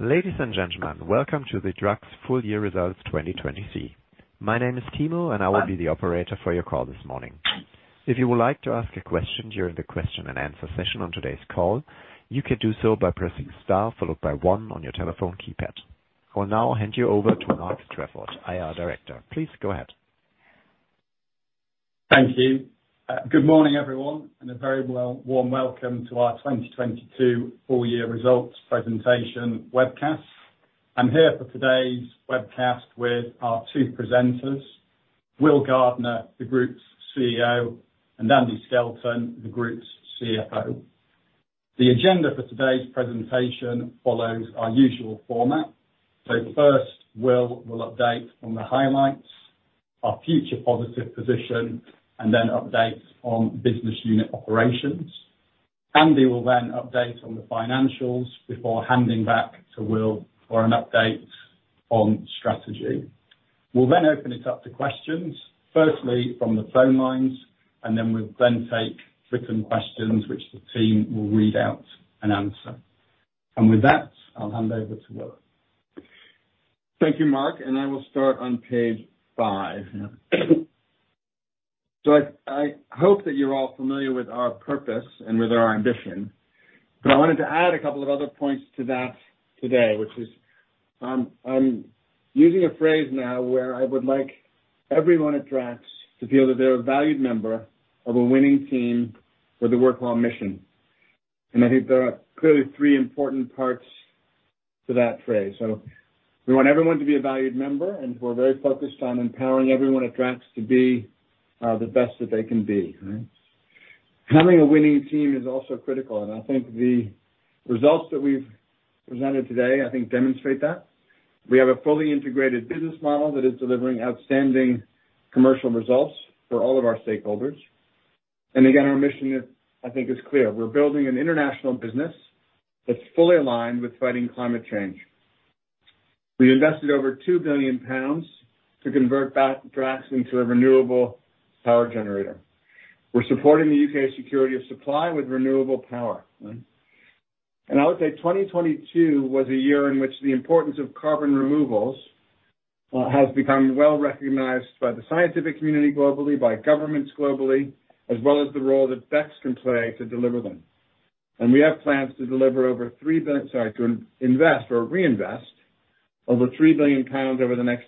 Ladies and gentlemen, welcome to the Drax Full Year Results 2023. My name is Timo, and I will be the operator for your call this morning. If you would like to ask a question during the question and answer session on today's call, you can do so by pressing Star followed by one on your telephone keypad. I'll now hand you over to Mark Strafford, IR Director. Please go ahead. Thank you. Good morning, everyone, and a very warm welcome to our 2022 full year results presentation webcast. I'm here for today's webcast with our two presenters, Will Gardiner, the Group's CEO, and Andy Skelton, the Group's CFO. The agenda for today's presentation follows our usual format. First, Will will update on the highlights, our future positive position, and then updates on business unit operations. Andy will then update on the financials before handing back to Will for an update on strategy. We'll then open it up to questions, firstly from the phone lines, then we'll then take written questions which the team will read out and answer. With that, I'll hand over to Will. Thank you, Mark. I will start on page five. I hope that you're all familiar with our purpose and with our ambition, but I wanted to add a couple of other points to that today, which is, I'm using a phrase now where I would like everyone at Drax to feel that they're a valued member of a winning team with a work-well mission. I think there are clearly three important parts to that phrase. We want everyone to be a valued member, and we're very focused on empowering everyone at Drax to be the best that they can be, right? Having a winning team is also critical, and I think the results that we've presented today, I think, demonstrate that. We have a fully integrated business model that is delivering outstanding commercial results for all of our stakeholders. Again, our mission is, I think, is clear. We're building an international business that's fully aligned with fighting climate change. We invested over 2 billion pounds to convert Drax into a renewable power generator. We're supporting the U.K. security of supply with renewable power. I would say 2022 was a year in which the importance of carbon removals has become well-recognized by the scientific community globally, by governments globally, as well as the role that BECCS can play to deliver them. We have plans to deliver over three Sorry, to invest or reinvest over 3 billion pounds over the next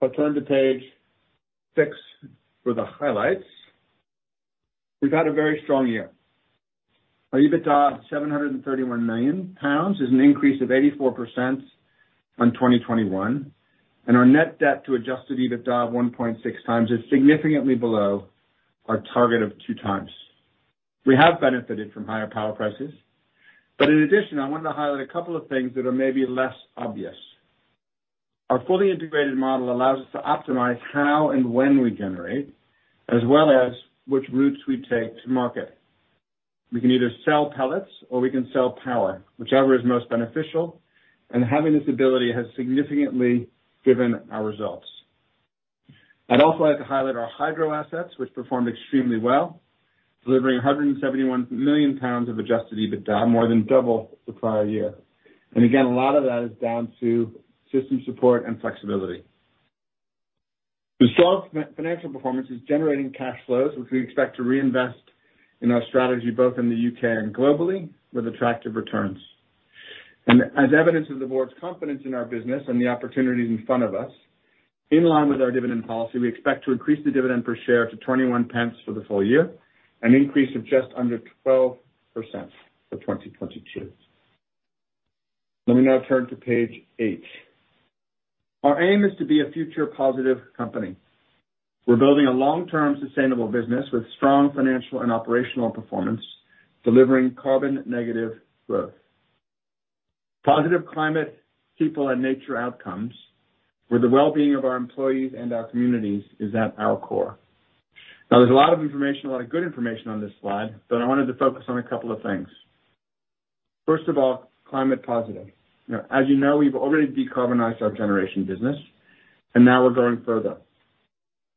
decade to deliver that mission. If I turn to page six for the highlights. We've had a very strong year. Our EBITDA of 731 million pounds is an increase of 84% on 2021. Our net debt to Adjusted EBITDA of 1.6x is significantly below our target of 2x. We have benefited from higher power prices. In addition, I wanted to highlight a couple of things that are maybe less obvious. Our fully integrated model allows us to optimize how and when we generate, as well as which routes we take to market. We can either sell pellets or we can sell power, whichever is most beneficial. Having this ability has significantly given our results. I'd also like to highlight our hydro assets, which performed extremely well, delivering 171 million pounds of Adjusted EBITDA, more than double the prior year. Again, a lot of that is down to system support and flexibility. The strong financial performance is generating cash flows, which we expect to reinvest in our strategy both in the U.K. and globally with attractive returns. As evidence of the board's confidence in our business and the opportunities in front of us, in line with our dividend policy, we expect to increase the dividend per share to 0.21 for the full year, an increase of just under 12% for 2022. Let me now turn to page eight. Our aim is to be a future positive company. We're building a long-term sustainable business with strong financial and operational performance, delivering carbon negative growth. Positive climate, people, and nature outcomes, where the well-being of our employees and our communities is at our core. There's a lot of information, a lot of good information on this slide, but I wanted to focus on a couple of things. First of all, climate positive. Now, as you know, we've already decarbonized our generation business, and now we're going further.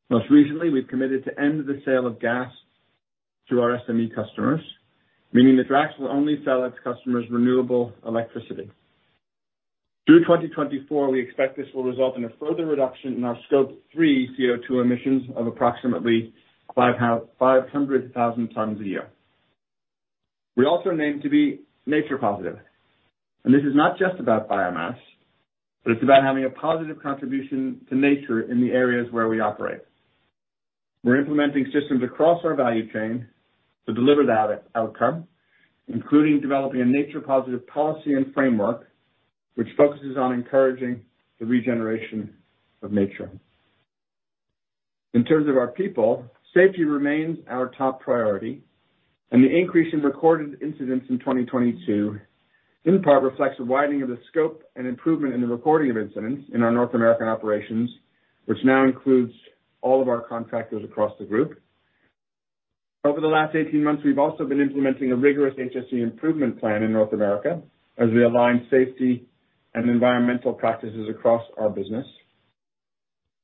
Most recently, we've committed to end the sale of gas to our SME customers, meaning that Drax will only sell its customers renewable electricity. Through 2024, we expect this will result in a further reduction in our Scope 3 CO2 emissions of approximately 500,000 tons a year. This is not just about biomass, but it's about having a positive contribution to nature in the areas where we operate. We're implementing systems across our value chain to deliver that outcome, including developing a nature positive policy and framework, which focuses on encouraging the regeneration of nature. In terms of our people, safety remains our top priority, and the increase in recorded incidents in 2022 in part reflects a widening of the scope and improvement in the recording of incidents in our North American operations, which now includes all of our contractors across the group. Over the last 18 months, we've also been implementing a rigorous HSE improvement plan in North America as we align safety and environmental practices across our business.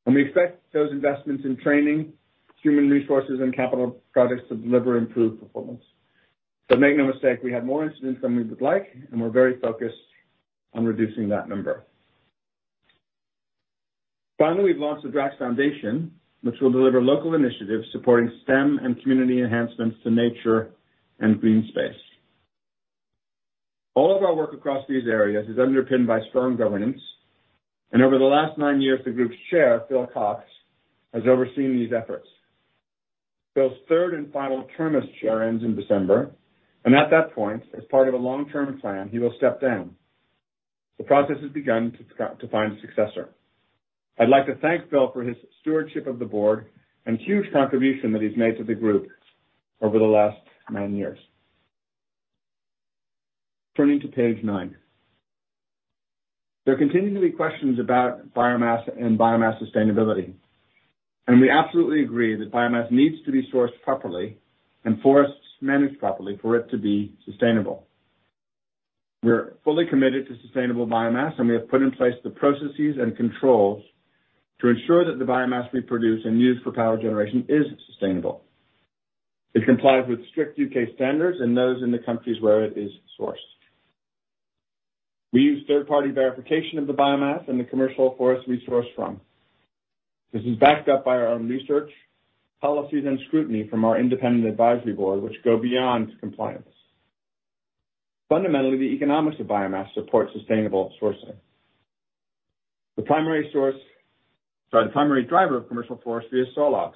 We expect those investments in training, human resources, and capital projects to deliver improved performance. Make no mistake, we have more incidents than we would like, and we're very focused on reducing that number. We've launched the Drax Foundation, which will deliver local initiatives supporting STEM and community enhancements to nature and green space. All of our work across these areas is underpinned by strong governance. Over the last 9 years, the group's Chair, Philip Cox, has overseen these efforts. Phil's third and final term as Chair ends in December, and at that point, as part of a long-term plan, he will step down. The process has begun to find a successor. I'd like to thank Phil for his stewardship of the board and huge contribution that he's made to the group over the last nine years. Turning to page nine. There continue to be questions about biomass and biomass sustainability, and we absolutely agree that biomass needs to be sourced properly and forests managed properly for it to be sustainable. We're fully committed to sustainable biomass, and we have put in place the processes and controls to ensure that the biomass we produce and use for power generation is sustainable. It complies with strict U.K. standards and those in the countries where it is sourced. We use third-party verification of the biomass and the commercial forest we source from. This is backed up by our own research, policies, and scrutiny from our independent advisory board, which go beyond compliance. Fundamentally, the economics of biomass support sustainable sourcing. Sorry. The primary driver of commercial forestry is sawlogs.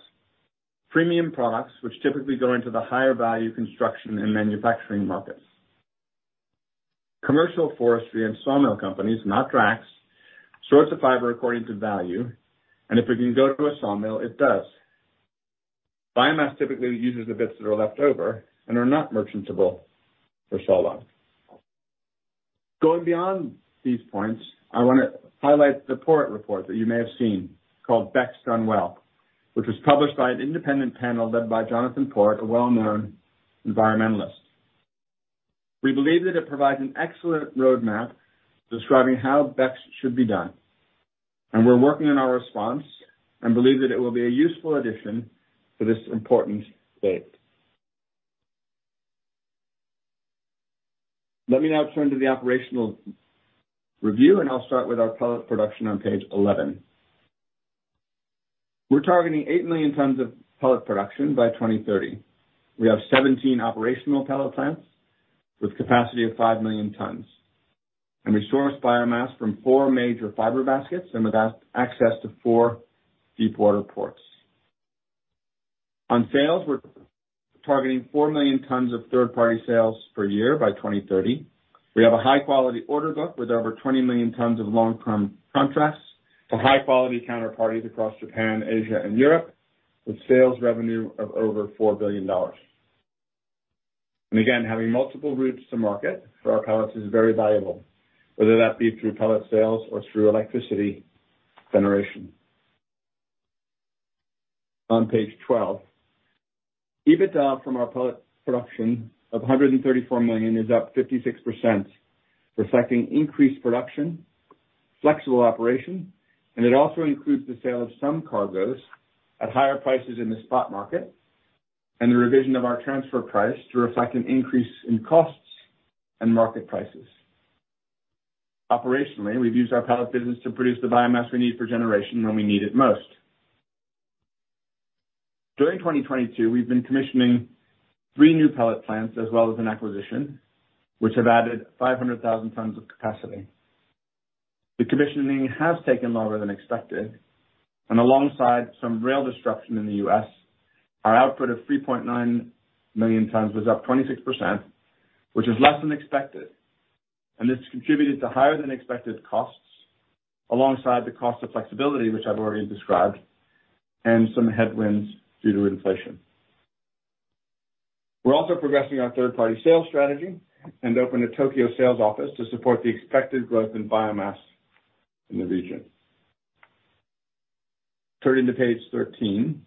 Premium products, which typically go into the higher value construction and manufacturing markets. Commercial forestry and sawmill companies, not Drax, sorts the fiber according to value, and if it can go to a sawmill, it does. Biomass typically uses the bits that are left over and are not merchantable for sawlog. Going beyond these points, I wanna highlight the Port report that you may have seen called BECCS Done Well, which was published by an independent panel led by Jonathon Porritt, a well-known environmentalist. We believe that it provides an excellent roadmap describing how BECCS should be done, and we're working on our response and believe that it will be a useful addition to this important space. Let me now turn to the operational review, and I'll start with our pellet production on page 11. We're targeting 8 million tons of pellet production by 2030. We have 17 operational pellet plants with capacity of 5 million tons, and we source biomass from 4 major fiber baskets and with access to four deep water ports. On sales, we're targeting 4 million tons of third-party sales per year by 2030. We have a high quality order book with over 20 million tons of long-term contracts for high quality counterparties across Japan, Asia, and Europe, with sales revenue of over $4 billion. Again, having multiple routes to market for our pellets is very valuable, whether that be through pellet sales or through electricity generation. On page 12, EBITDA from our pellet production of $134 million is up 56%, reflecting increased production, flexible operation, and it also includes the sale of some cargoes at higher prices in the spot market and the revision of our transfer price to reflect an increase in costs and market prices. Operationally, we've used our pellet business to produce the biomass we need for generation when we need it most. During 2022, we've been commissioning three new pellet plants as well as an acquisition, which have added 500,000 tons of capacity. The commissioning has taken longer than expected, alongside some rail disruption in the U.S., our output of 3.9 million tons was up 26%, which is less than expected. This contributed to higher than expected costs alongside the cost of flexibility, which I've already described, and some headwinds due to inflation. We're also progressing our third-party sales strategy and opened a Tokyo sales office to support the expected growth in biomass in the region. Turning to page 13.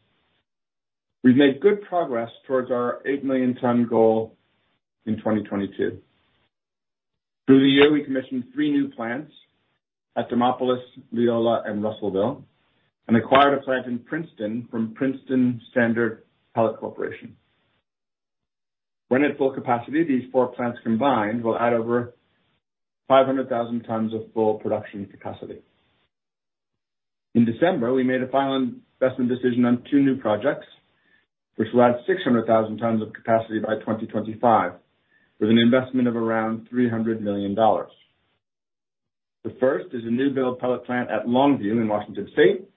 We've made good progress towards our 8 million ton goal in 2022. Through the year, we commissioned three new plants at Demopolis, Leola, and Russellville, and acquired a plant in Princeton from Princeton Standard Pellet Corporation. When at full capacity, these four plants combined will add over 500,000 tons of full production capacity. In December, we made a final investment decision on two new projects, which will add 600,000 tons of capacity by 2025 with an investment of around $300 million. The first is a new build pellet plant at Longview in Washington State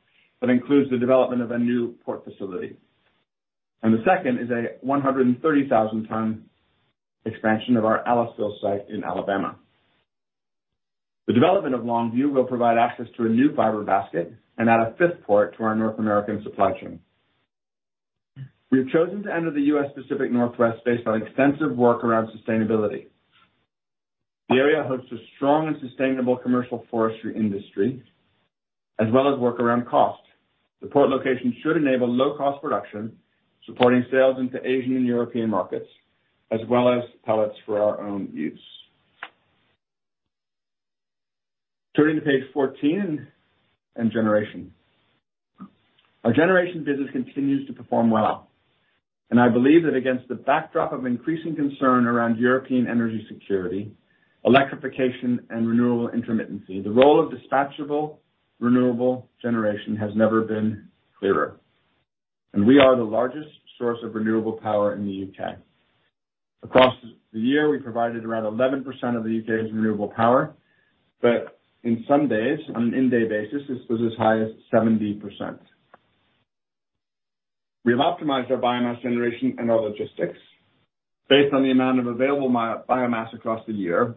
that includes the development of a new port facility. The second is a 130,000 ton expansion of our Aliceville site in Alabama. The development of Longview will provide access to a new fiber basket and add a fifth port to our North American supply chain. We have chosen to enter the U.S. Pacific Northwest based on extensive work around sustainability. The area hosts a strong and sustainable commercial forestry industry as well as work around cost. The port location should enable low cost production, supporting sales into Asian and European markets, as well as pellets for our own use. Turning to page 14 and generation. Our generation business continues to perform well. I believe that against the backdrop of increasing concern around European energy security, electrification, and renewable intermittency, the role of dispatchable renewable generation has never been clearer. We are the largest source of renewable power in the U.K., Across the year, we provided around 11% of the U.K.'s renewable power, but in some days, on an in-day basis, this was as high as 70%. We have optimized our biomass generation and our logistics based on the amount of available biomass across the year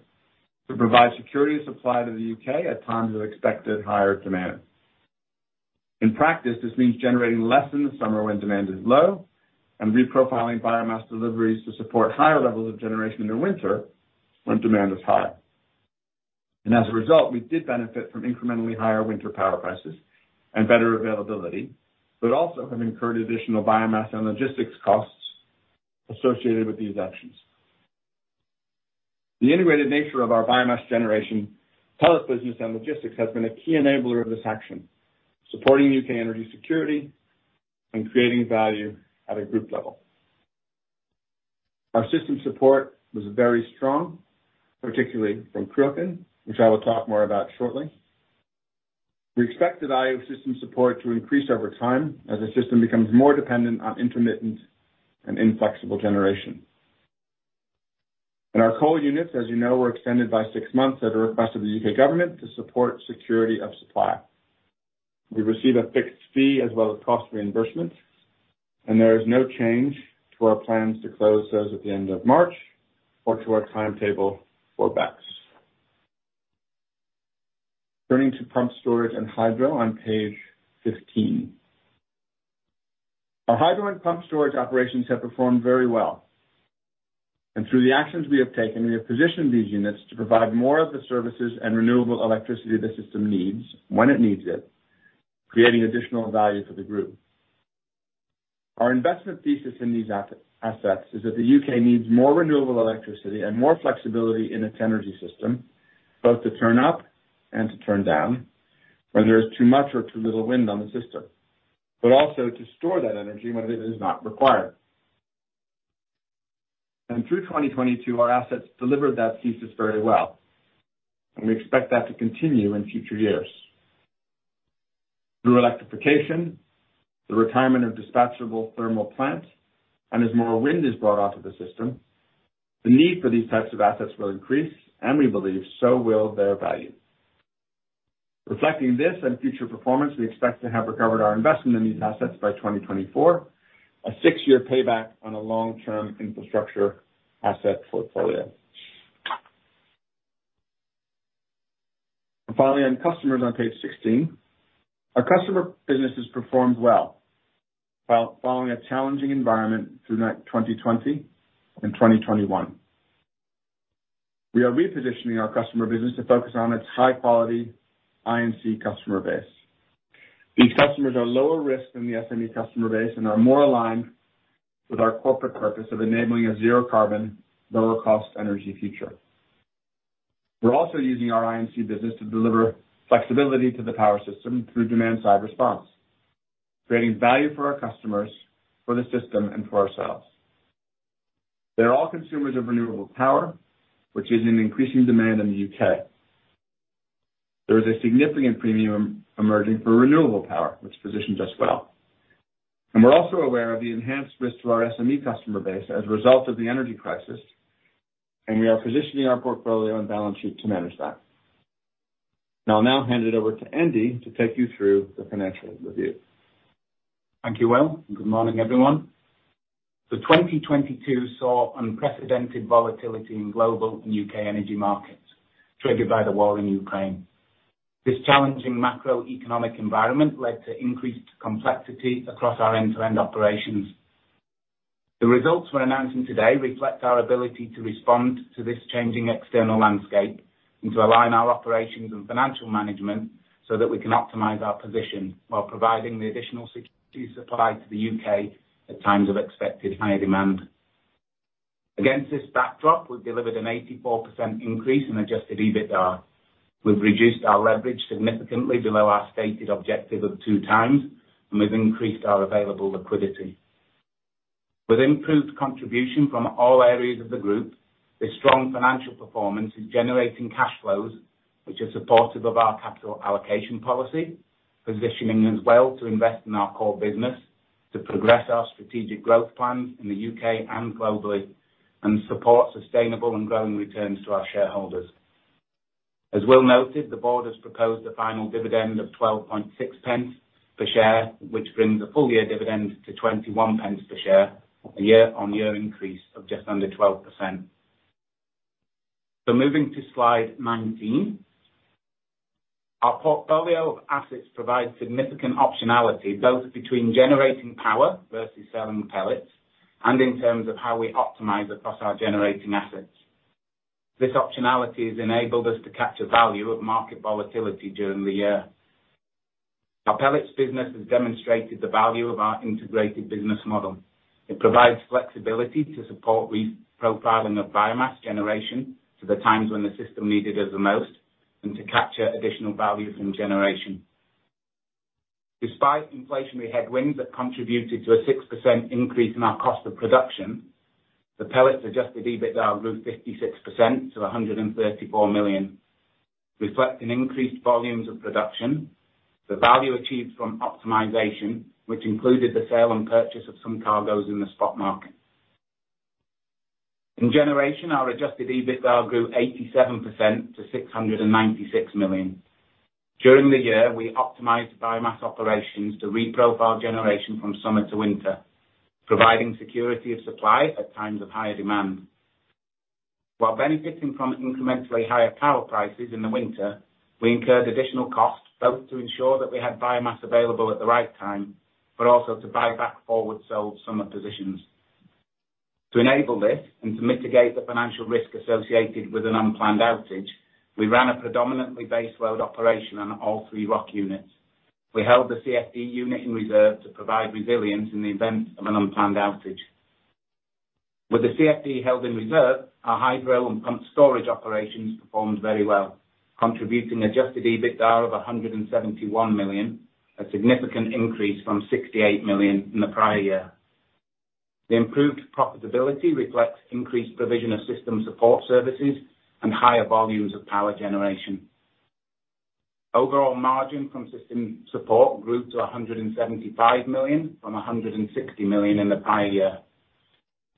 to provide security of supply to the U.K. at times of expected higher demand. In practice, this means generating less in the summer when demand is low, and reprofiling biomass deliveries to support higher levels of generation in the winter when demand is higher. As a result, we did benefit from incrementally higher winter power prices and better availability, but also have incurred additional biomass and logistics costs associated with these actions. The integrated nature of our biomass generation pellets business and logistics has been a key enabler of this action, supporting U.K. energy security and creating value at a group level. Our system support was very strong, particularly from Cruachan, which I will talk more about shortly. We expect the IO system support to increase over time as the system becomes more dependent on intermittent and inflexible generation. Our coal units, as you know, were extended by six months at the request of the U.K. government to support security of supply. We receive a fixed fee as well as cost reimbursement. There is no change to our plans to close those at the end of March or to our timetable for BECCS. Turning to pumped storage and hydro on page 15. Our hydro and pumped storage operations have performed very well. Through the actions we have taken, we have positioned these units to provide more of the services and renewable electricity the system needs, when it needs it, creating additional value for the group. Our investment thesis in these assets is that the U.K. needs more renewable electricity and more flexibility in its energy system, both to turn up and to turn down when there is too much or too little wind on the system. Also to store that energy when it is not required. Through 2022, our assets delivered that thesis very well, and we expect that to continue in future years. Through electrification, the retirement of dispatchable thermal plants, and as more wind is brought onto the system, the need for these types of assets will increase, and we believe so will their value. Reflecting this and future performance, we expect to have recovered our investment in these assets by 2024, a six year payback on a long-term infrastructure asset portfolio. Finally, on customers on page 16. Our customer business has performed well while following a challenging environment throughout 2020 and 2021. We are repositioning our customer business to focus on its high-quality I&C customer base. These customers are lower risk than the SME customer base and are more aligned with our corporate purpose of enabling a zero carbon, lower cost energy future. We're also using our I&C business to deliver flexibility to the power system through Demand Side Response, creating value for our customers, for the system and for ourselves. They're all consumers of renewable power, which is in increasing demand in the U.K. There is a significant premium emerging for renewable power, which positions us well. We're also aware of the enhanced risk to our SME customer base as a result of the energy crisis, and we are positioning our portfolio and balance sheet to manage that. I'll now hand it over to Andy to take you through the financial review. Thank you, Will. Good morning, everyone. 2022 saw unprecedented volatility in global and U.K. energy markets triggered by the war in Ukraine. This challenging macroeconomic environment led to increased complexity across our end-to-end operations. The results we're announcing today reflect our ability to respond to this changing external landscape and to align our operations and financial management so that we can optimize our position while providing the additional security supply to the U.K. at times of expected higher demand. Against this backdrop, we've delivered an 84% increase in Adjusted EBITDA. We've reduced our leverage significantly below our stated objective of two times. We've increased our available liquidity. With improved contribution from all areas of the Group, this strong financial performance is generating cash flows which are supportive of our capital allocation policy, positioning us well to invest in our core business, to progress our strategic growth plans in the U.K. and globally, and support sustainable and growing returns to our shareholders. As Will noted, the Board has proposed a final dividend of 12.6p per share, which brings the full-year dividend to 21p per share, a year-on-year increase of just under 12%. Moving to slide 19. Our portfolio of assets provides significant optionality, both between generating power versus selling pellets, and in terms of how we optimize across our generating assets. This optionality has enabled us to capture value of market volatility during the year. Our pellets business has demonstrated the value of our integrated business model. It provides flexibility to support reprofiling of biomass generation to the times when the system needs it the most, and to capture additional value from generation. Despite inflationary headwinds that contributed to a 6% increase in our cost of production, the pellets Adjusted EBITDA grew 56% to 134 million, reflecting increased volumes of production. The value achieved from optimization, which included the sale and purchase of some cargos in the spot market. In generation, our Adjusted EBITDA grew 87% to 696 million. During the year, we optimized biomass operations to reprofile generation from summer to winter, providing security of supply at times of higher demand. While benefiting from incrementally higher power prices in the winter, we incurred additional costs, both to ensure that we had biomass available at the right time, but also to buy back forward sold summer positions. To enable this, and to mitigate the financial risk associated with an unplanned outage, we ran a predominantly baseload operation on all three ROC units. We held the CFD unit in reserve to provide resilience in the event of an unplanned outage. With the CFD held in reserve, our hydro and pump storage operations performed very well, contributing Adjusted EBITDA of 171 million, a significant increase from 68 million in the prior year. The improved profitability reflects increased provision of system support services and higher volumes of power generation. Overall margin from system support grew to 175 million from 160 million in the prior year.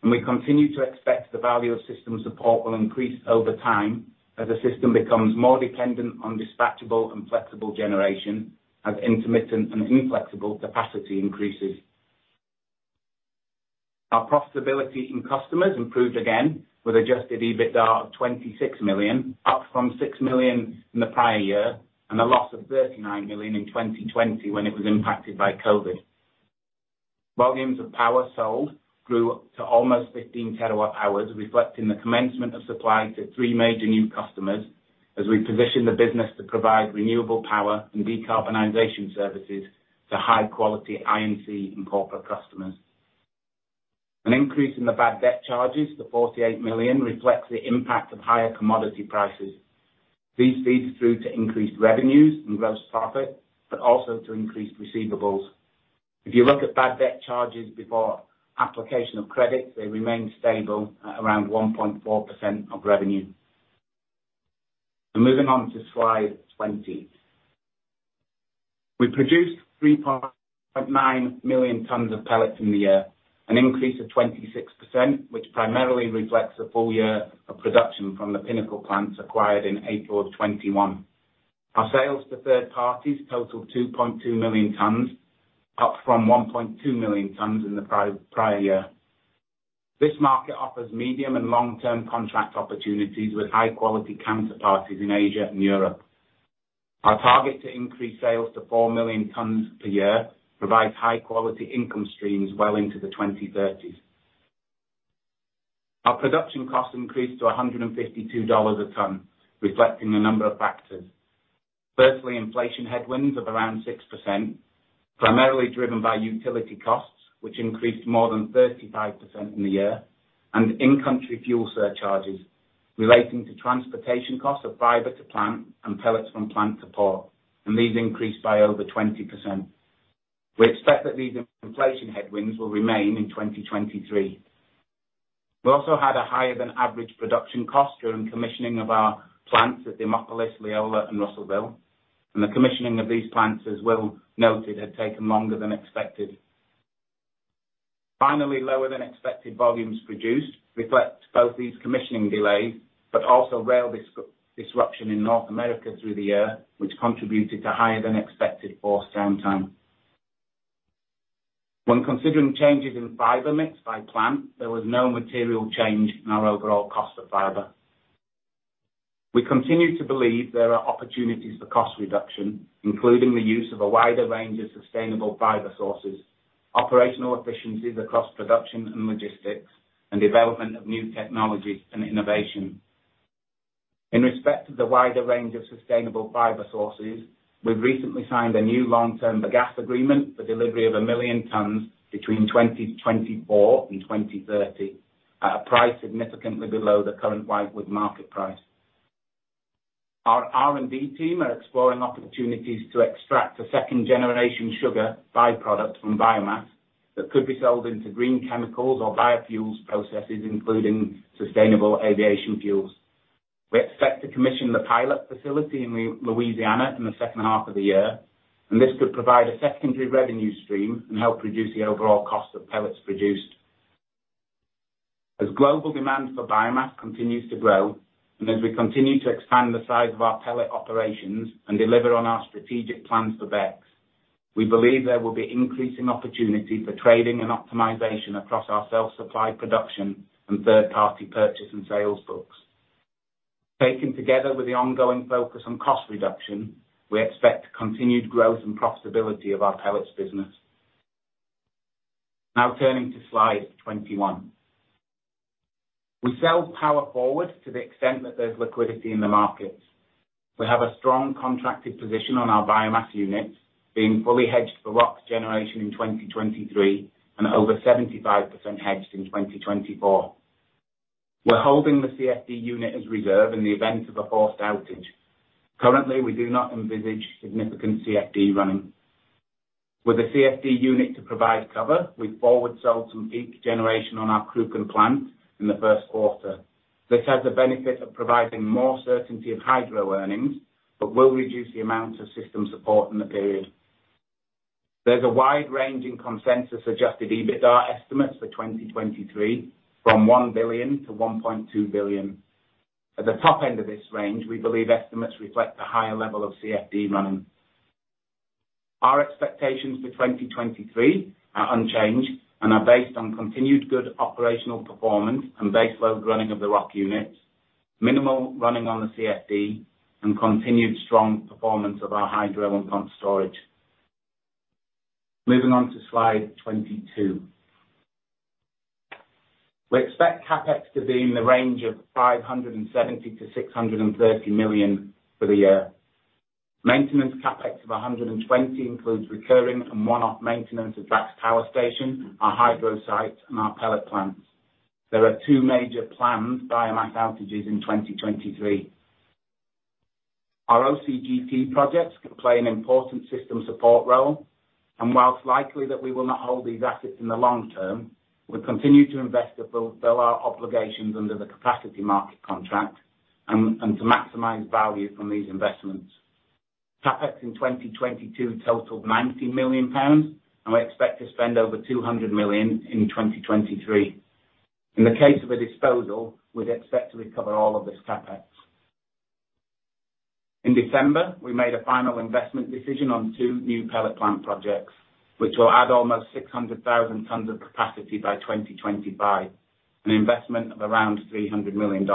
We continue to expect the value of system support will increase over time as the system becomes more dependent on dispatchable and flexible generation, as intermittent and inflexible capacity increases. Our profitability in customers improved again with Adjusted EBITDA of 26 million, up from 6 million in the prior year and a loss of 39 million in 2020 when it was impacted by COVID. Volumes of power sold grew to almost 15 TWh reflecting the commencement of supply to three major new customers as we position the business to provide renewable power and decarbonization services to high quality I&C and corporate customers. An increase in the bad debt charges to 48 million reflects the impact of higher commodity prices. These feed through to increased revenues and gross profit, but also to increased receivables. If you look at bad debt charges before application of credits, they remain stable at around 1.4% of revenue. Moving on to slide 20. We produced 3.9 million tons of pellets in the year, an increase of 26%, which primarily reflects a full year of production from the Pinnacle Plants acquired in April 2021. Our sales to third parties totaled 2.2 million tons, up from 1.2 million tons in the prior year. This market offers medium and long-term contract opportunities with high quality counterparties in Asia and Europe. Our target to increase sales to 4 million tons per year provides high quality income streams well into the 2030s. Our production costs increased to $152 a ton, reflecting a number of factors. Firstly, inflation headwinds of around 6%, primarily driven by utility costs, which increased more than 35% in the year, and in-country fuel surcharges relating to transportation costs of fiber to plant and pellets from plant to port, and these increased by over 20%. We expect that these inflation headwinds will remain in 2023. We also had a higher than average production cost during commissioning of our plants at Demopolis, Leola and Russellville. The commissioning of these plants, as Will noted, had taken longer than expected. Finally, lower than expected volumes produced reflect both these commissioning delays, but also rail disruption in North America through the year, which contributed to higher than expected forced downtime. When considering changes in fiber mix by plant, there was no material change in our overall cost of fiber. We continue to believe there are opportunities for cost reduction, including the use of a wider range of sustainable fiber sources, operational efficiencies across production and logistics, and development of new technologies and innovation. In respect of the wider range of sustainable fiber sources, we've recently signed a new long-term gas agreement for delivery of 1 million tons between 2024 and 2030 at a price significantly below the current wide wood market price. Our R&D team are exploring opportunities to extract a second-generation sugar by-product from biomass that could be sold into green chemicals or biofuels processes, including Sustainable Aviation Fuels. This could provide a secondary revenue stream and help reduce the overall cost of pellets produced. As global demand for biomass continues to grow, as we continue to expand the size of our pellet operations and deliver on our strategic plans for BECCS, we believe there will be increasing opportunity for trading and optimization across our self-supply production and third-party purchase and sales books. Taken together with the ongoing focus on cost reduction, we expect continued growth and profitability of our pellets business. Turning to slide 21. We sell power forward to the extent that there's liquidity in the markets. We have a strong contracted position on our biomass units being fully hedged for ROC generation in 2023 and over 75% hedged in 2024. We're holding the CFD unit as reserve in the event of a forced outage. Currently, we do not envisage significant CFD running. With a CFD unit to provide cover, we forward sell some peak generation on our Cruachan plant in the first quarter. This has the benefit of providing more certainty of hydro earnings, but will reduce the amount of system support in the period. There's a wide range in consensus-Adjusted EBITDA estimates for 2023 from 1 billion-1.2 billion. At the top end of this range, we believe estimates reflect the higher level of CFD running. Our expectations for 2023 are unchanged and are based on continued good operational performance and base load running of the ROC units, minimal running on the CFD, and continued strong performance of our hydro and pump storage. Moving on to slide 22. We expect CapEx to be in the range of 570 million-630 million for the year. Maintenance CapEx of 120 includes recurring and one-off maintenance at Drax Power Station, our hydro site, and our pellet plants. There are two major planned biomass outages in 2023. Our OCGT projects could play an important system support role, and whilst likely that we will not hold these assets in the long term, we continue to invest to fulfill our obligations under the Capacity Market contract and to maximize value from these investments. CapEx in 2022 totaled 90 million pounds, and we expect to spend over 200 million in 2023. In the case of a disposal, we'd expect to recover all of this CapEx. In December, we made a final investment decision on two new pellet plant projects, which will add almost 600,000 tons of capacity by 2025, an investment of around $300 million.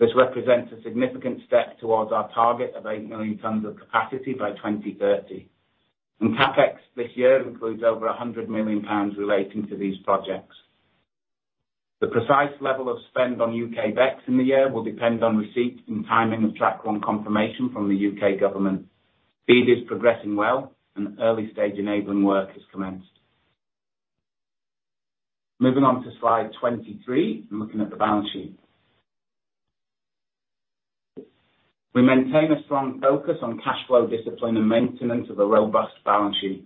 This represents a significant step towards our target of 8 million tons of capacity by 2030. CapEx this year includes over 100 million pounds relating to these projects. The precise level of spend on U.K. BECCS in the year will depend on receipt and timing of Track-1 confirmation from the U.K. government. FEED is progressing well, and early-stage enabling work has commenced. Moving on to slide 23 and looking at the balance sheet. We maintain a strong focus on cash flow discipline and maintenance of a robust balance sheet.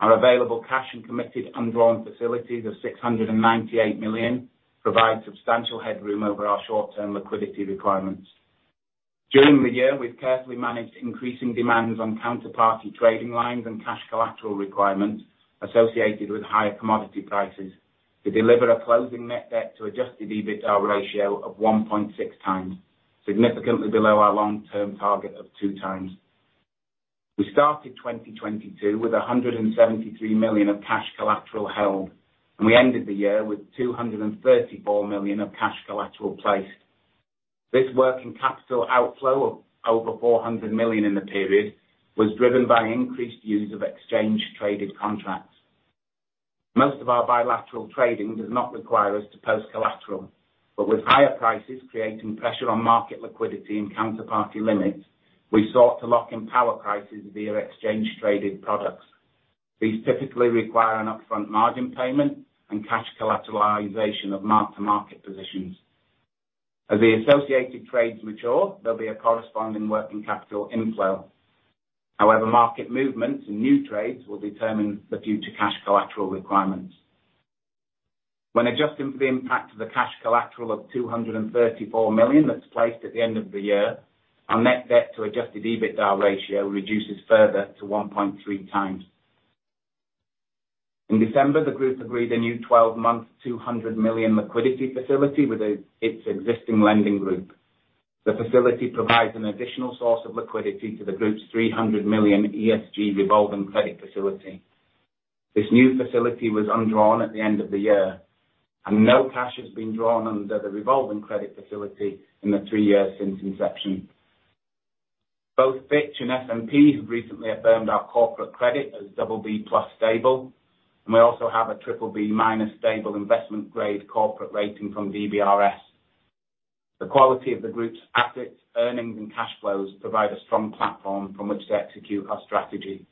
Our available cash and committed undrawn facilities of 698 million provide substantial headroom over our short-term liquidity requirements. During the year, we've carefully managed increasing demands on counterparty trading lines and cash collateral requirements associated with higher commodity prices to deliver a closing net debt to Adjusted EBITDA ratio of 1.6x, significantly below our long-term target of 2x. We started 2022 with 173 million of cash collateral held, and we ended the year with 234 million of cash collateral placed. This working capital outflow of over 400 million in the period was driven by increased use of exchange traded contracts. Most of our bilateral trading does not require us to post collateral, with higher prices creating pressure on market liquidity and counterparty limits, we sought to lock in power prices via exchange traded products. These typically require an upfront margin payment and cash collateralization of mark-to-market positions. As the associated trades mature, there'll be a corresponding working capital inflow. Market movements and new trades will determine the future cash collateral requirements. When adjusting for the impact of the cash collateral of 234 million that's placed at the end of the year, our net debt to Adjusted EBITDA ratio reduces further to 1.3x. In December, the group agreed a new 12-month, 200 million liquidity facility with its existing lending group. The facility provides an additional source of liquidity to the group's 300 million ESG revolving credit facility. This new facility was undrawn at the end of the year and no cash has been drawn under the revolving credit facility in the three years since inception. Both Fitch and S&P have recently affirmed our corporate credit as BB+ stable, and we also have a BBB- stable investment grade corporate rating from DBRS. The quality of the group's assets, earnings, and cash flows provide a strong platform from which to execute our strategy.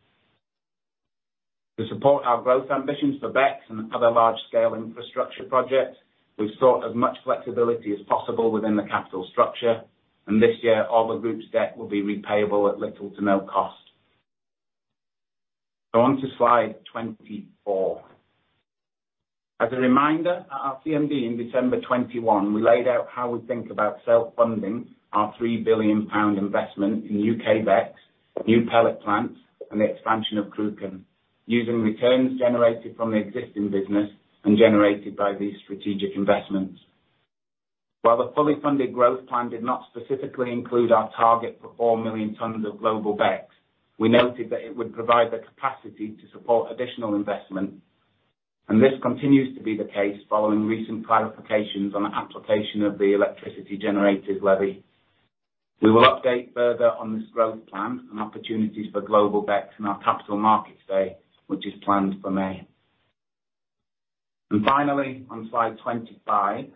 To support our growth ambitions for BECCS and other large-scale infrastructure projects, we've sought as much flexibility as possible within the capital structure. This year all the group's debt will be repayable at little to no cost. Go on to slide 24. As a reminder, at our CMD in December 2021, we laid out how we think about self-funding our 3 billion pound investment in U.K. BECCS, new pellet plants, and the expansion of Cruachan, using returns generated from the existing business and generated by these strategic investments. While the fully funded growth plan did not specifically include our target for 4 million tons of global BECCS, we noted that it would provide the capacity to support additional investment, and this continues to be the case following recent clarifications on the application of the Electricity Generator Levy. We will update further on this growth plan and opportunities for global BECCS in our capital market day, which is planned for May. Finally, on slide 25,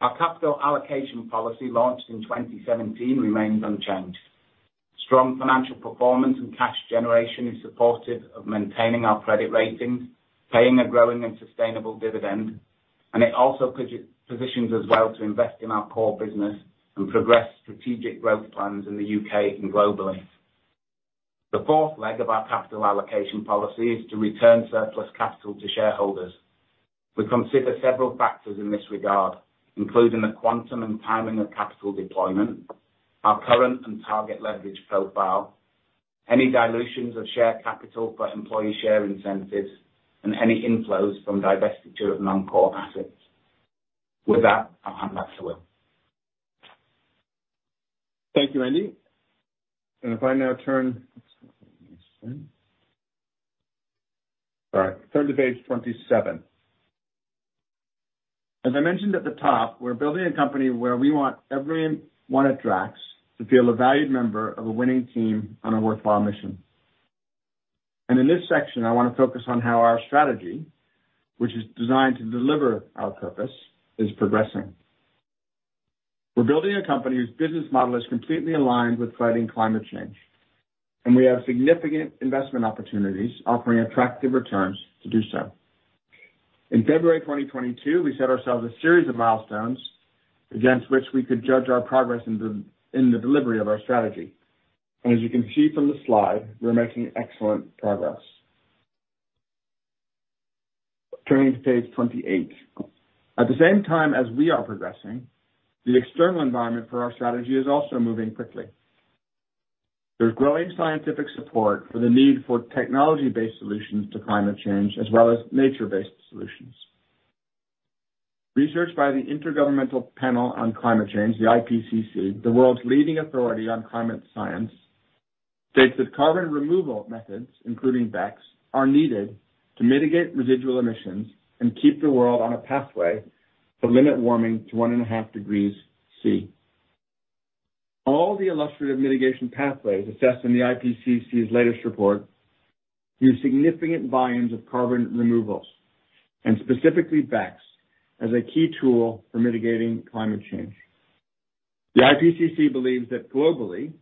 our capital allocation policy launched in 2017 remains unchanged. Strong financial performance and cash generation is supportive of maintaining our credit ratings, paying a growing and sustainable dividend, and it also positions us well to invest in our core business and progress strategic growth plans in the U.K. and globally. The fourth leg of our capital allocation policy is to return surplus capital to shareholders. We consider several factors in this regard, including the quantum and timing of capital deployment, our current and target leverage profile, any dilutions of share capital for employee share incentives, and any inflows from divestiture of non-core assets. With that, I'll hand back to Will. Thank you, Andy. If I now turn to page 27. As I mentioned at the top, we're building a company where we want everyone at Drax to feel a valued member of a winning team on a worthwhile mission. In this section, I wanna focus on how our strategy, which is designed to deliver our purpose, is progressing. We're building a company whose business model is completely aligned with fighting climate change, and we have significant investment opportunities offering attractive returns to do so. In February 2022, we set ourselves a series of milestones against which we could judge our progress in the delivery of our strategy. As you can see from the slide, we're making excellent progress. Turning to page 28. At the same time as we are progressing, the external environment for our strategy is also moving quickly. There is growing scientific support for the need for technology-based solutions to climate change, as well as nature-based solutions. Research by the Intergovernmental Panel on Climate Change, the IPCC, the world's leading authority on climate science, states that carbon removal methods, including BECCS, are needed to mitigate residual emissions and keep the world on a pathway to limit warming to 1.5 degrees C. All the illustrative mitigation pathways assessed in the IPCC's latest report use significant volumes of carbon removals, and specifically BECCS, as a key tool for mitigating climate change. The IPCC believes that globally,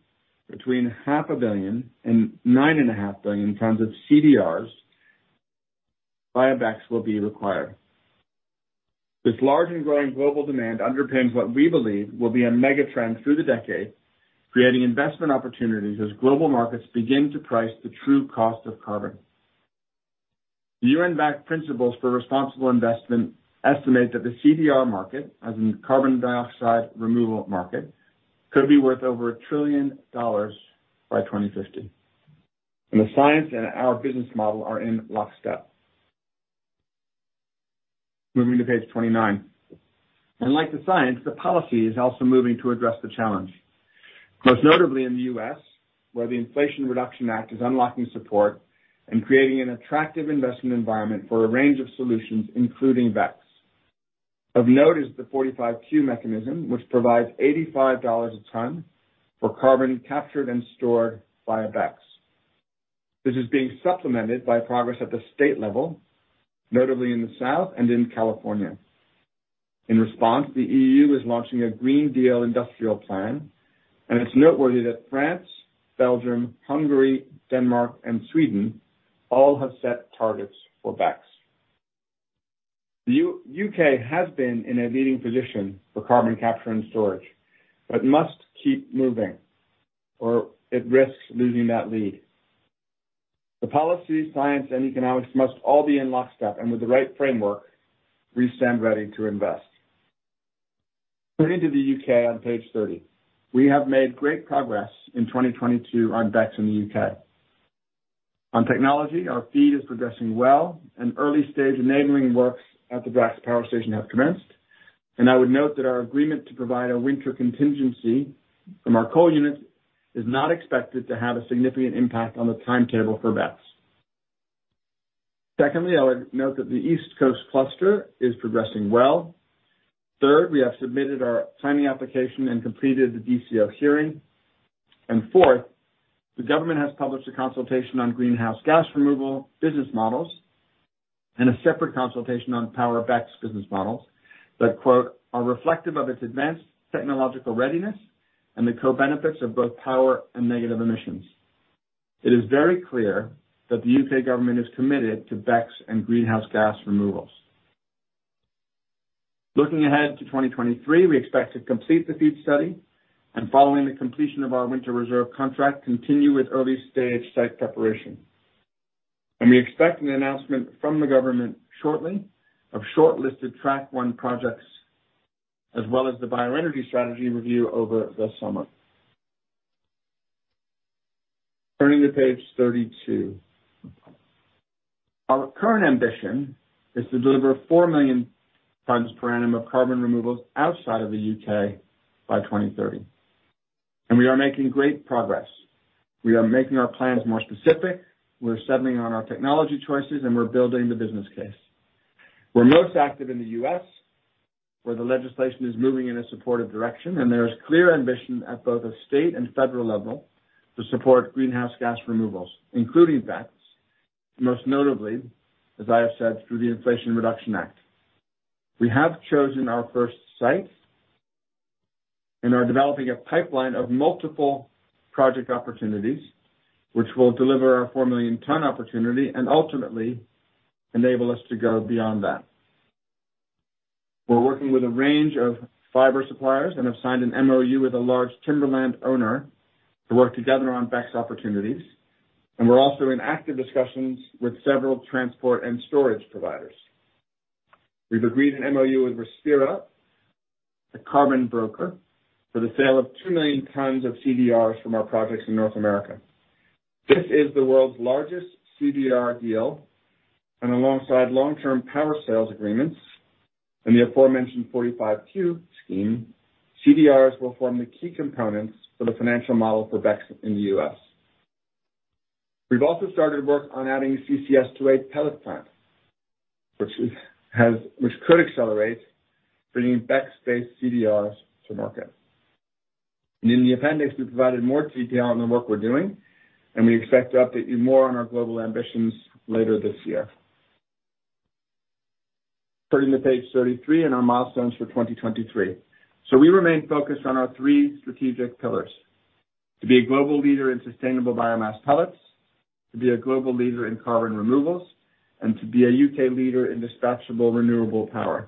between 0.5 billion and 9.5 billion tons of CDRs via BECCS will be required. This large and growing global demand underpins what we believe will be a mega-trend through the decade, creating investment opportunities as global markets begin to price the true cost of carbon. The UN-backed Principles for Responsible Investment estimate that the CDR market, as in the carbon dioxide removal market, could be worth over $1 trillion by 2050. The science and our business model are in lockstep. Moving to page 29. Like the science, the policy is also moving to address the challenge, most notably in the U.S., where the Inflation Reduction Act is unlocking support and creating an attractive investment environment for a range of solutions, including BECCS. Of note is the 45Q mechanism, which provides $85 a ton for carbon captured and stored by a BECCS. This is being supplemented by progress at the state level, notably in the South and in California. In response, the EU is launching a Green Deal Industrial Plan, and it's noteworthy that France, Belgium, Hungary, Denmark, and Sweden all have set targets for BECCS. The U.K. has been in a leading position for carbon capture and storage, but must keep moving or it risks losing that lead. The policy, science, and economics must all be in lockstep, and with the right framework, we stand ready to invest. Turning to the U.K. on page 30. We have made great progress in 2022 on BECCS in the U.K. On technology, our FEED is progressing well, and early stage enabling works at the Drax Power Station have commenced. I would note that our agreement to provide a winter contingency from our coal units is not expected to have a significant impact on the timetable for BECCS. Secondly, I would note that the East Coast Cluster is progressing well. Third, we have submitted our timing application and completed the DCO hearing. Fourth, the government has published a consultation on greenhouse gas removal business models, and a separate consultation on power BECCS business models that quote, "Are reflective of its advanced technological readiness and the co-benefits of both power and negative emissions." It is very clear that the U.K. government is committed to BECCS and greenhouse gas removals. Looking ahead to 2023, we expect to complete the FEED study, and following the completion of our winter reserve contract, continue with early stage site preparation. We expect an announcement from the government shortly of shortlisted Track-1 projects, as well as the bioenergy strategy review over the summer. Turning to page 32. Our current ambition is to deliver 4 million tons per annum of carbon removals outside of the U.K. by 2030, and we are making great progress. We are making our plans more specific, we're settling on our technology choices, and we're building the business case. We're most active in the U.S. where the legislation is moving in a supportive direction, and there is clear ambition at both a state and federal level to support greenhouse gas removals, including BECCS, most notably, as I have said, through the Inflation Reduction Act. We have chosen our first site and are developing a pipeline of multiple project opportunities which will deliver our 4 million ton opportunity and ultimately enable us to go beyond that. We're working with a range of fiber suppliers and have signed an MOU with a large timberland owner to work together on BECCS opportunities. We're also in active discussions with several transport and storage providers. We've agreed an MOU with Respira, a carbon broker, for the sale of 2 million tons of CDRs from our projects in North America. This is the world's largest CDR deal, alongside long-term power sales agreements and the aforementioned 45Q scheme, CDRs will form the key components for the financial model for BECCS in the U.S. We've also started work on adding a CCS to a pellet plant, which could accelerate bringing BECCS-based CDRs to market. In the appendix, we provided more detail on the work we're doing, and we expect to update you more on our global ambitions later this year. Turning to page 33 and our milestones for 2023. We remain focused on our three strategic pillars. To be a global leader in sustainable biomass pellets, to be a global leader in carbon removals, and to be a U.K. leader in dispatchable renewable power.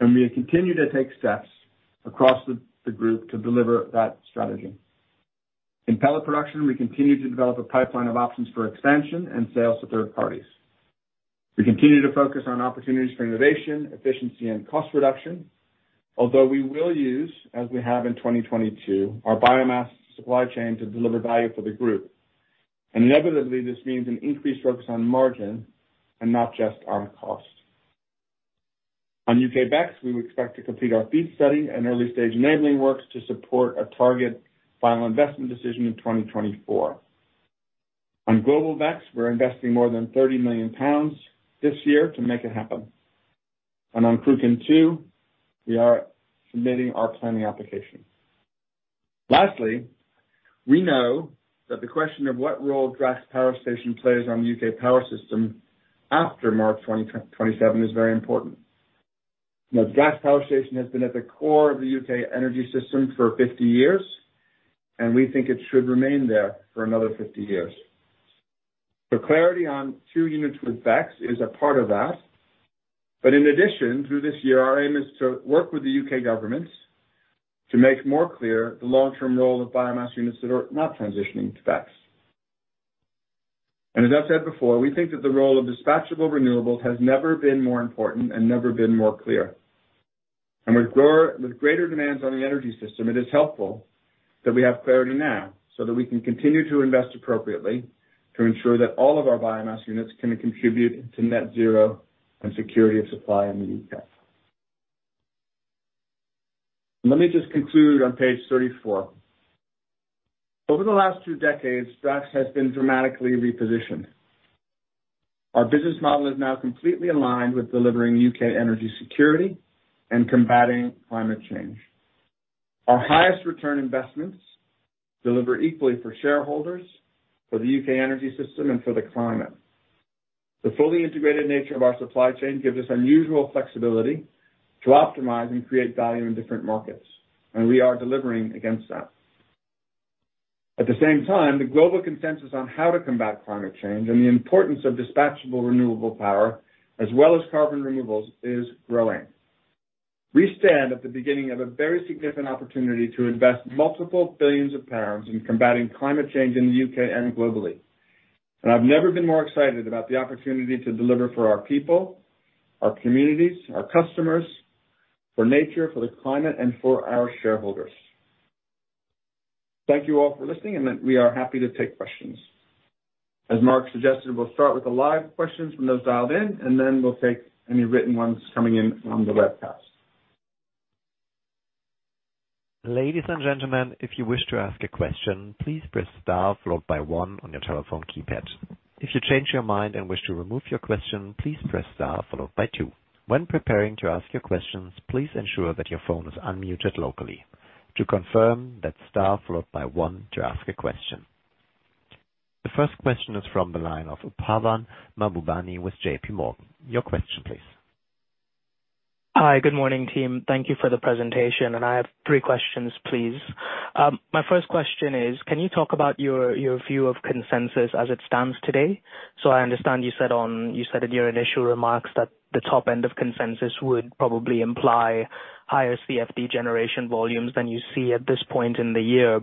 We have continued to take steps across the Group to deliver that strategy. In pellet production, we continue to develop a pipeline of options for expansion and sales to third parties. We continue to focus on opportunities for innovation, efficiency, and cost reduction. Although we will use, as we have in 2022, our biomass supply chain to deliver value for the Group. Inevitably, this means an increased focus on margin and not just on cost. On U.K. BECCS, we expect to complete our FEED study and early-stage enabling works to support a target final investment decision in 2024. On global BECCS, we're investing more than 30 million pounds this year to make it happen. On Cruachan II, we are submitting our planning application. Lastly, we know that the question of what role Drax Power Station plays on the U.K. power system after March 2027 is very important. Drax Power Station has been at the core of the U.K. energy system for 50 years, and we think it should remain there for another 50 years. Clarity on two units with BECCS is a part of that. In addition, through this year, our aim is to work with the U.K. government to make more clear the long-term role of biomass units that are not transitioning to BECCS. As I've said before, we think that the role of dispatchable renewables has never been more important and never been more clear. With greater demands on the energy system, it is helpful that we have clarity now so that we can continue to invest appropriately to ensure that all of our biomass units can contribute to net zero and security of supply in the U.K. Let me just conclude on page 34. Over the last two decades, Drax has been dramatically repositioned. Our business model is now completely aligned with delivering U.K. energy security and combating climate change. Our highest return investments deliver equally for shareholders, for the U.K. energy system, and for the climate. The fully integrated nature of our supply chain gives us unusual flexibility to optimize and create value in different markets, we are delivering against that. At the same time, the global consensus on how to combat climate change and the importance of dispatchable renewable power, as well as carbon removals, is growing. We stand at the beginning of a very significant opportunity to invest multiple billions of GBP in combating climate change in the U.K. and globally. I've never been more excited about the opportunity to deliver for our people, our communities, our customers, for nature, for the climate, and for our shareholders. Thank you all for listening, and then we are happy to take questions. As Mark suggested, we'll start with the live questions from those dialed in, and then we'll take any written ones coming in from the webcast. Ladies and gentlemen, if you wish to ask a question, please press star followed by one on your telephone keypad. If you change your mind and wish to remove your question, please press star followed by two. When preparing to ask your questions, please ensure that your phone is unmuted locally. To confirm, that's star followed by one to ask a question. The first question is from the line of Pavan Mahbubani with J.P. Morgan. Your question please. Hi. Good morning, team. Thank you for the presentation. I have three questions, please. My first question is, can you talk about your view of consensus as it stands today? I understand you said in your initial remarks that the top end of consensus would probably imply higher CFD generation volumes than you see at this point in the year.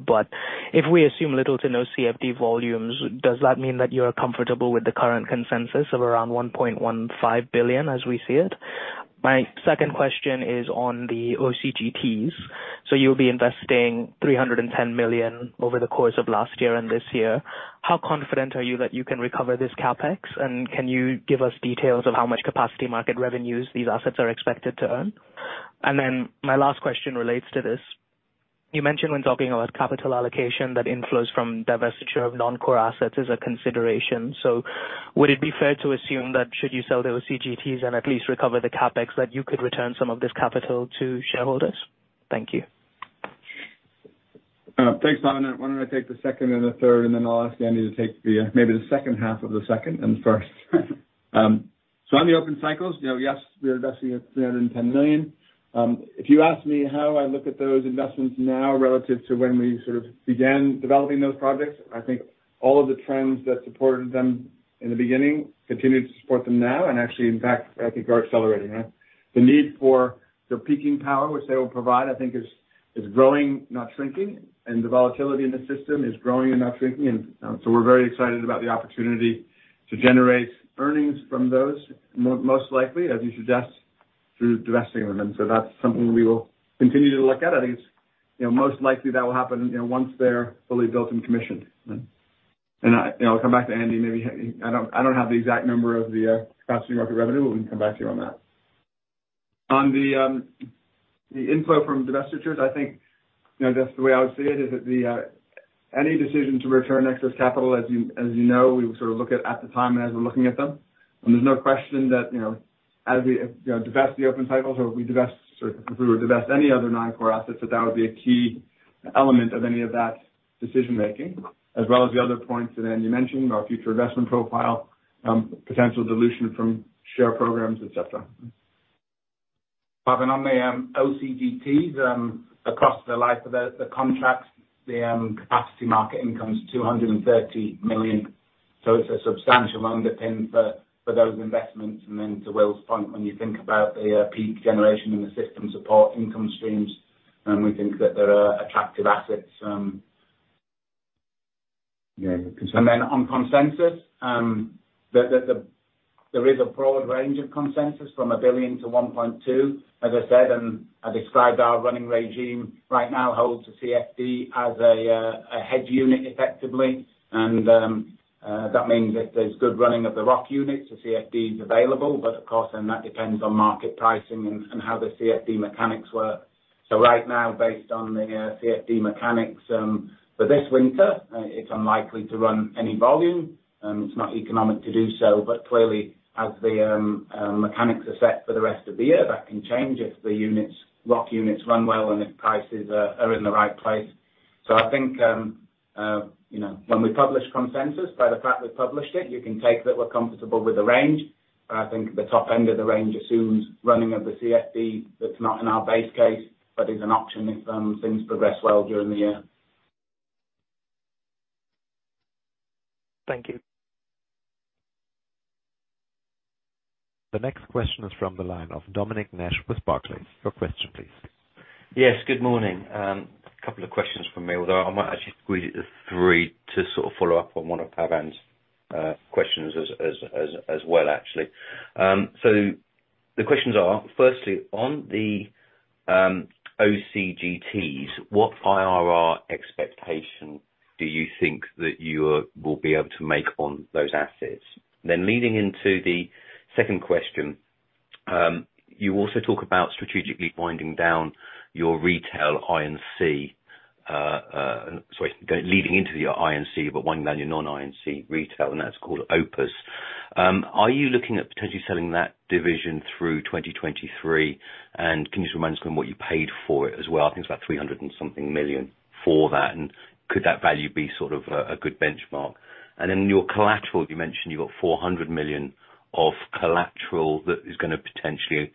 If we assume little to no CFD volumes, does that mean that you're comfortable with the current consensus of around 1.15 billion as we see it? My second question is on the OCGTs. You'll be investing 310 million over the course of last year and this year. How confident are you that you can recover this CapEx? Can you give us details of how much Capacity Market revenues these assets are expected to earn? My last question relates to this. You mentioned when talking about capital allocation that inflows from divestiture of non-core assets is a consideration. Would it be fair to assume that should you sell those OCGTs and at least recover the CapEx, that you could return some of this capital to shareholders? Thank you. Thanks, Pavan. Why don't I take the second and the third, then I'll ask Andy to take the maybe the second half of the second and first. On the open cycles, you know, yes, we are investing at 310 million. If you ask me how I look at those investments now relative to when we sort of began developing those projects, I think all of the trends that supported them in the beginning continue to support them now and actually, in fact, I think are accelerating. The need for the peaking power, which they will provide, I think is growing, not shrinking. The volatility in the system is growing and not shrinking. We're very excited about the opportunity to generate earnings from those most likely, as you suggest, through divesting them. That's something we will continue to look at. I think it's, you know, most likely that will happen, you know, once they're fully built and commissioned. I, you know, I'll come back to Andy, maybe. I don't have the exact number of the Capacity Market revenue, but we can come back to you on that. On the inflow from divestitures, I think, you know, that's the way I would see it, is that the any decision to return excess capital, as you know, we would sort of look at the time and as we're looking at them. There's no question that, you know, as we, you know, divest the open cycles or we divest or if we were to divest any other non-core assets, that would be a key element of any of that decision making, as well as the other points that Andy mentioned, our future investment profile, potential dilution from share programs, et cetera. Pavan, on the OCGTs, across the life of the contracts, the Capacity Market income is 230 million. It's a substantial underpin for those investments. To Will's point, when you think about the peak generation and the system support income streams, we think that there are attractive assets. On consensus, there is a broad range of consensus from 1 billion-1.2 billion, as I said. I described our running regime right now holds a CFD as a head unit effectively. That means if there's good running of the ROC units, the CFD is available. Of course, that depends on market pricing and how the CFD mechanics work. Right now, based on the CFD mechanics, for this winter, it's unlikely to run any volume. It's not economic to do so. Clearly, as the mechanics are set for the rest of the year, that can change if the units, ROC units run well and if prices are in the right place. I think, you know, when we publish consensus, by the fact we've published it, you can take that we're comfortable with the range. I think the top end of the range assumes running of the CFD that's not in our base case, but is an option if things progress well during the year. Thank you. The next question is from the line of Dominic Nash with Barclays. Your question please. Yes, good morning. A couple of questions from me, although I might actually squeeze three to sort of follow up on one of Pavan's questions as well, actually. The questions are, firstly, on the OCGTs, what IRR expectation do you think that you will be able to make on those assets? Leading into the second question, you also talk about strategically winding down your retail I&C, sorry, leading into your I&C, but winding down your non-I&C retail, and that's called Opus. Are you looking at potentially selling that division through 2023? Can you just remind us again what you paid for it as well? I think it's about 300 and something million for that. Could that value be sort of a good benchmark? Your collateral, you mentioned you've got 400 million of collateral that is going to potentially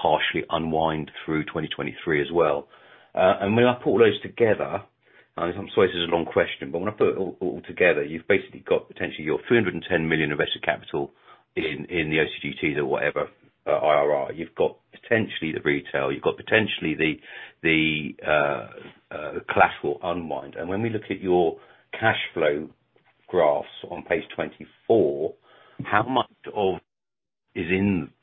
partially unwind through 2023 as well. When I put all those together, I'm sorry this is a long question, but when I put it all together, you've basically got potentially your 310 million invested capital in the OCGT or whatever, IRR. You've got potentially the retail. You've got potentially the collateral unwind. When we look at your cash flow graphs on page 24, how much of is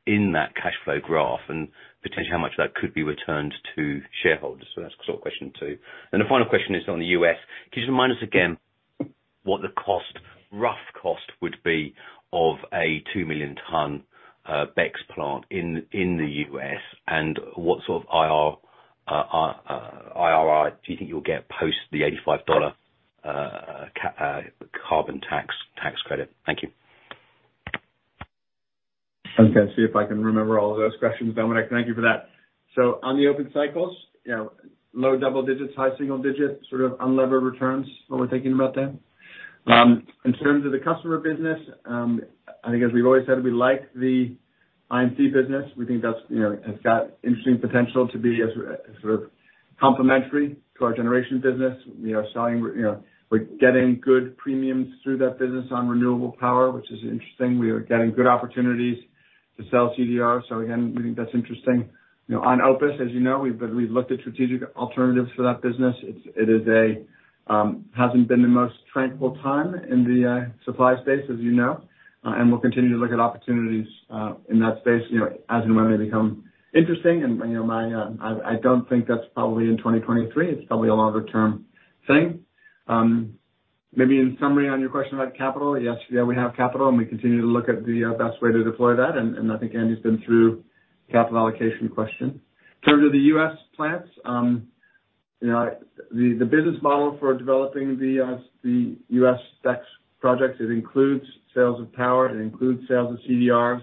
in that cash flow graph and potentially how much of that could be returned to shareholders? That's sort of question two. The final question is on the U.S. Can you just remind us again what the cost, rough cost would be of a 2 million tons BECCS plant in the U.S.? What sort of IRR do you think you'll get post the $85 carbon tax credit? Thank you. I'm gonna see if I can remember all of those questions, Dominic. Thank you for that. On the open cycles, you know, low double digits, high single digits, sort of unlevered returns, what we're thinking about there. In terms of the customer business, I think as we've always said, we like the I&C business. We think that's, you know, has got interesting potential to be as, sort of complementary to our generation business. We are selling, you know, we're getting good premiums through that business on renewable power, which is interesting. We are getting good opportunities to sell CDR. Again, we think that's interesting. You know, on Opus, as you know, we've looked at strategic alternatives for that business. It's a, hasn't been the most tranquil time in the supply space, as you know, we'll continue to look at opportunities in that space, you know, as and when they become interesting. You know, my, I don't think that's probably in 2023. It's probably a longer term thing. Maybe in summary on your question about capital, yes, yeah, we have capital, we continue to look at the best way to deploy that. I think Andy's been through capital allocation question. In terms of the U.S. plants, you know, the business model for developing the U.S. BECCS project, it includes sales of power, it includes sales of CDRs,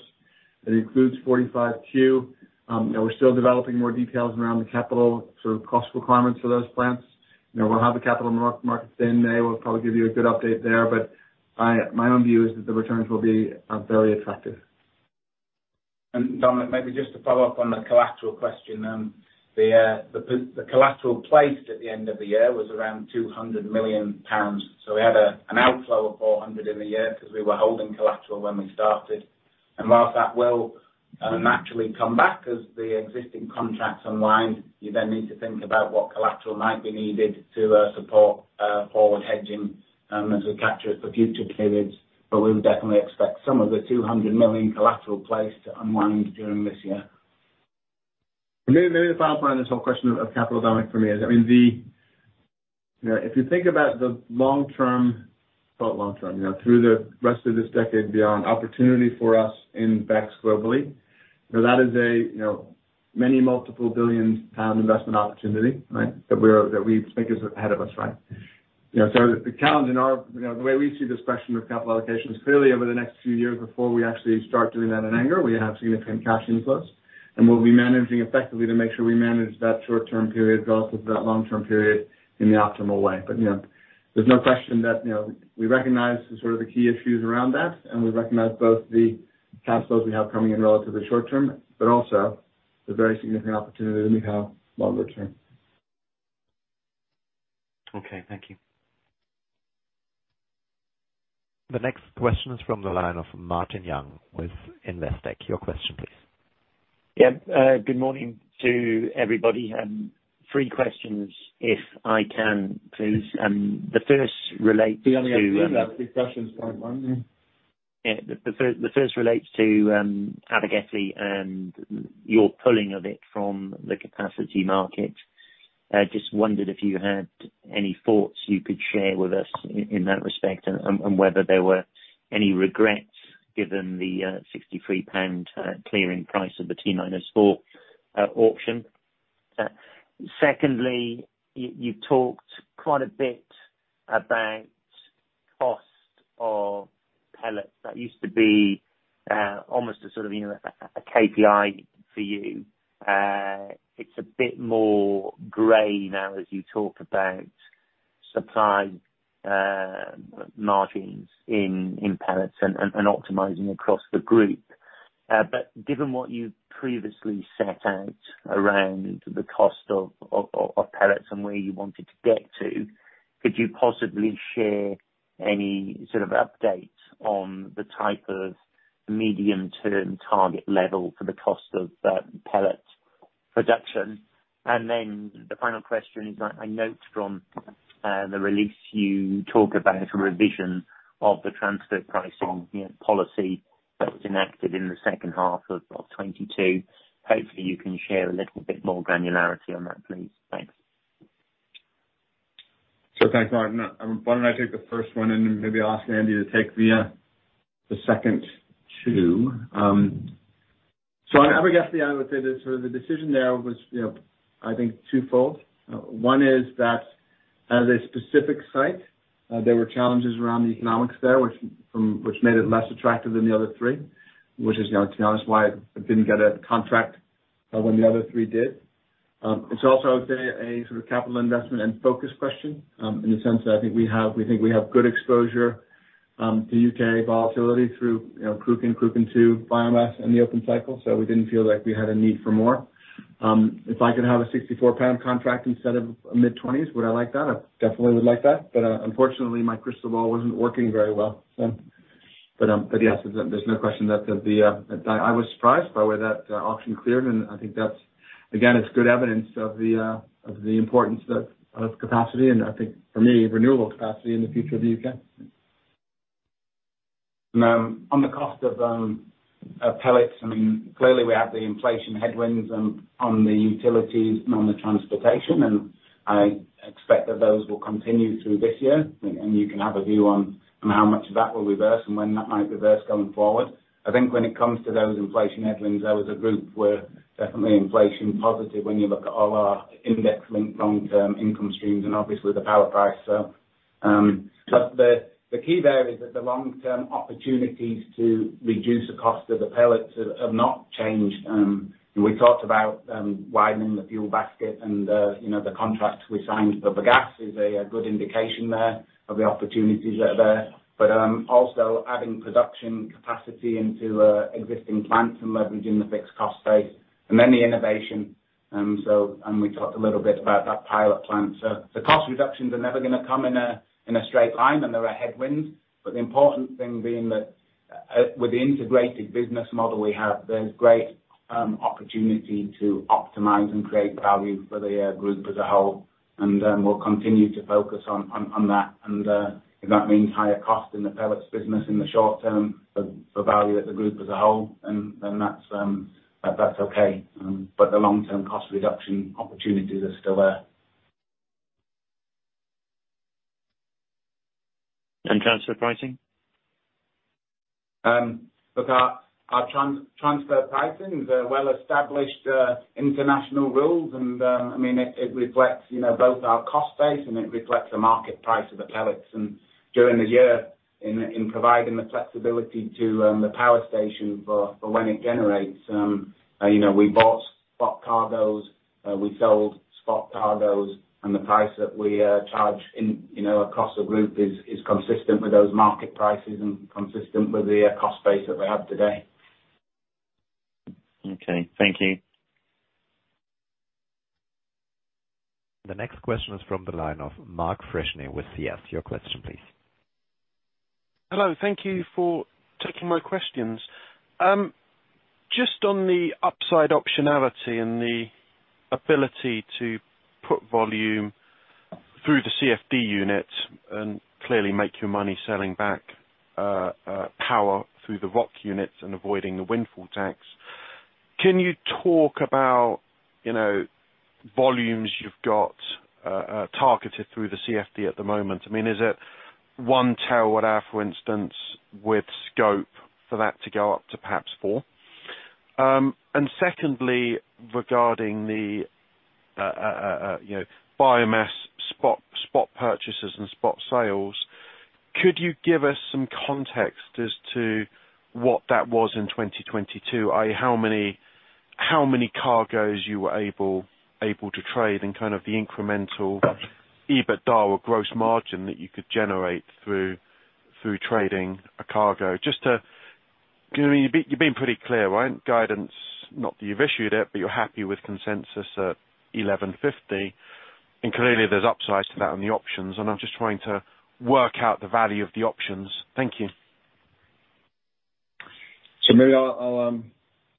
it includes 45Q. You know, we're still developing more details around the capital sort of cost requirements for those plants. You know, we'll have the capital markets day in May. We'll probably give you a good update there. My own view is that the returns will be very attractive. Dominic, maybe just to follow up on the collateral question. The collateral placed at the end of the year was around 200 million pounds. We had an outflow of 400 million in the year, 'cause we were holding collateral when we started. While that will naturally come back as the existing contracts unwind, you then need to think about what collateral might be needed to support forward hedging as we capture it for future periods. We'll definitely expect some of the 200 million collateral placed to unwind during this year. Maybe to follow up on this whole question of capital Dominic for me is, I mean, You know, if you think about the long term, you know, through the rest of this decade beyond, opportunity for us in BECCS globally, you know, that is a, you know, many multiple billions GBP investment opportunity, right? That we think is ahead of us, right? You know, so the challenge in our, you know, the way we see this question of capital allocations, clearly over the next few years before we actually start doing that in anger, we have significant cash inflows. We'll be managing effectively to make sure we manage that short term period relative to that long term period in the optimal way. You know, there's no question that, you know, we recognize the sort of the key issues around that, and we recognize both the cash flows we have coming in relative to the short term, but also the very significant opportunity that we have longer term. Okay, thank you. The next question is from the line of Martin Young with Investec. Your question please. Yeah. Good morning to everybody. Three questions if I can please. The first relates. We only have time for three questions, Martin. Yeah. The first relates to Abergelli and your pulling of it from the Capacity Market. Just wondered if you had any thoughts you could share with us in that respect and whether there were any regrets given the 63 pound clearing price of the T-4 auction. Secondly, you've talked quite a bit about cost of pellets. That used to be almost a sort of, you know, a KPI for you. It's a bit more gray now as you talk about supply margins in pellets and optimizing across the Drax Group. Given what you've previously set out around the cost of pellets and where you wanted to get to, could you possibly share any sort of update on the type of medium to target level for the cost of pellet production? Then the final question is, I note from the release you talk about a revision of the transfer pricing, you know, policy that was enacted in the second half of 2022. Hopefully, you can share a little bit more granularity on that please. Thanks. Thanks, Martin. Why don't I take the first one and then maybe ask Andy to take the second two? On Abergelli I would say this, sort of the decision there was, you know, I think twofold. One is that as a specific site, there were challenges around the economics there, which made it less attractive than the other three, which is, you know, to be honest, why it didn't get a contract when the other three did. It's also, I would say a sort of capital investment and focus question, in the sense that I think we have, we think we have good exposure to U.K. volatility through, you know, Cruachan II, biomass and the open cycle, so we didn't feel like we had a need for more. If I could have a 64 pound contract instead of mid-20s, would I like that? I definitely would like that. Unfortunately, my crystal ball wasn't working very well. Yes, there's no question that the I was surprised by way that auction cleared, and I think that's, again, it's good evidence of the importance of capacity and I think for me, renewable capacity in the future of the U.K. On the cost of pellets, I mean, clearly we have the inflation headwinds on the utilities and on the transportation, and I expect that those will continue through this year. Andy you can have a view on how much of that will reverse and when that might reverse going forward. I think when it comes to those inflation headwinds, as a group, we're definitely inflation positive when you look at all our index linked long term income streams and obviously the power price. But the key there is that the long term opportunities to reduce the cost of the pellets have not changed. We talked about widening the fuel basket and, you know, the contracts we signed for the gas is a good indication there of the opportunities that are there. Also adding production capacity into existing plants and leveraging the fixed cost base and then the innovation. We talked a little bit about that pilot plant. The cost reductions are never gonna come in a straight line, and there are headwinds, but the important thing being that with the integrated business model we have, there's great opportunity to optimize and create value for the Group as a whole. We'll continue to focus on that. If that means higher cost in the pellets business in the short term for value at the Group as a whole, and then that's okay. The long-term cost reduction opportunities are still there. Look, our transfer pricing is a well-established international rules. I mean, it reflects, you know, both our cost base and it reflects the market price of the pellets. During the year in providing the flexibility to the power station for when it generates, you know, we bought spot cargoes, we sold spot cargoes, and the price that we charge in, you know, across the group is consistent with those market prices and consistent with the cost base that we have today. Okay, thank you. The next question is from the line of Mark Freshney with CS. Your question please. Hello. Thank you for taking my questions. Just on the upside optionality and the ability to put volume through the CFD unit and clearly make your money selling back power through the ROC units and avoiding the windfall tax. Can you talk about, you know, volumes you've got targeted through the CFD at the moment? I mean, is it 1 TWh, for instance, with scope for that to go up to perhaps four? Secondly, regarding the, you know, biomass spot purchases and spot sales, could you give us some context as to what that was in 2022? How many cargoes you were able to trade and kind of the incremental EBITDA or gross margin that you could generate through trading a cargo? Just to... I mean, you're being pretty clear, right? Guidance, not that you've issued it, but you're happy with consensus at 1,150. Clearly there's upsides to that on the options. I'm just trying to work out the value of the options. Thank you. Maybe I'll,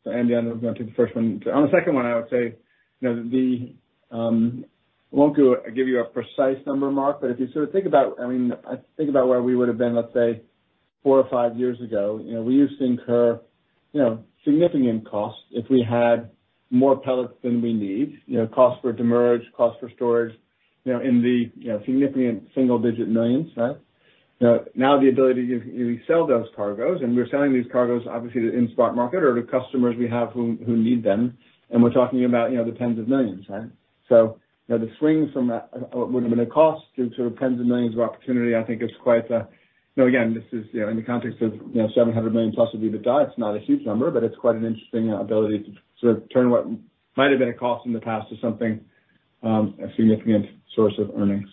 so Andy, I don't know if you want to take the first one. On the second one, I would say, you know, I won't go give you a precise number, Mark, but if you sort of think about, I mean, I think about where we would've been, let's say, four or five years ago, you know, we used to incur, you know, significant costs if we had more pellets than we need, you know, cost for demurrage, cost for storage, you know, in the, you know, significant single-digit millions, right? Now the ability to sell those cargoes, and we're selling these cargoes obviously to in-spot market or to customers we have who need them, and we're talking about, you know, the tens of millions, right? You know, the swing from that, would've been a cost to sort of tens of millions of GBP opportunity, I think, is quite, you know, again, this is, you know, in the context of, you know, 700 million+ of EBITDA. It's not a huge number, but it's quite an interesting ability to sort of turn what might have been a cost in the past to something, a significant source of earnings.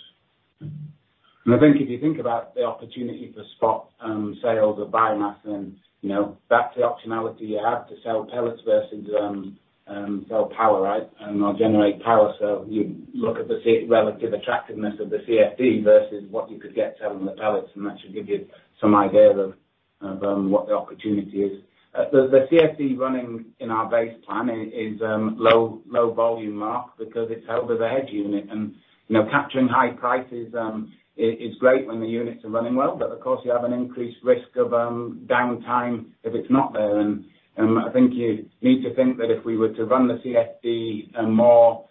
I think if you think about the opportunity for spot sales of biomass and, you know, back to the optionality, you have to sell pellets versus sell power, right? They'll generate power. You look at the relative attractiveness of the CFD versus what you could get selling the pellets, and that should give you some idea of what the opportunity is. The CFD running in our base plan is low volume, Mark, because it's held with a hedge unit and, you know, capturing high prices is great when the units are running well, but of course you have an increased risk of downtime if it's not there. I think you need to think that if we were to run the CFD more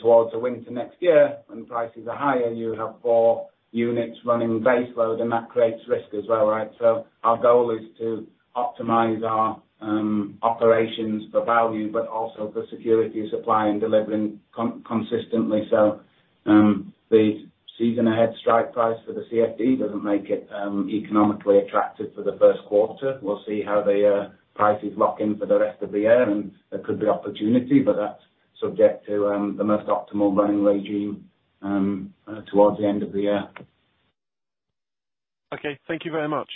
towards the winter next year when prices are higher, you have four units running base load and that creates risk as well, right? Our goal is to optimize our operations for value, but also for security of supply and delivering consistently. The season ahead strike price for the CFD doesn't make it economically attractive for the first quarter. We'll see how the prices lock in for the rest of the year, and there could be opportunity, but that's subject to the most optimal running regime towards the end of the year. Okay. Thank you very much.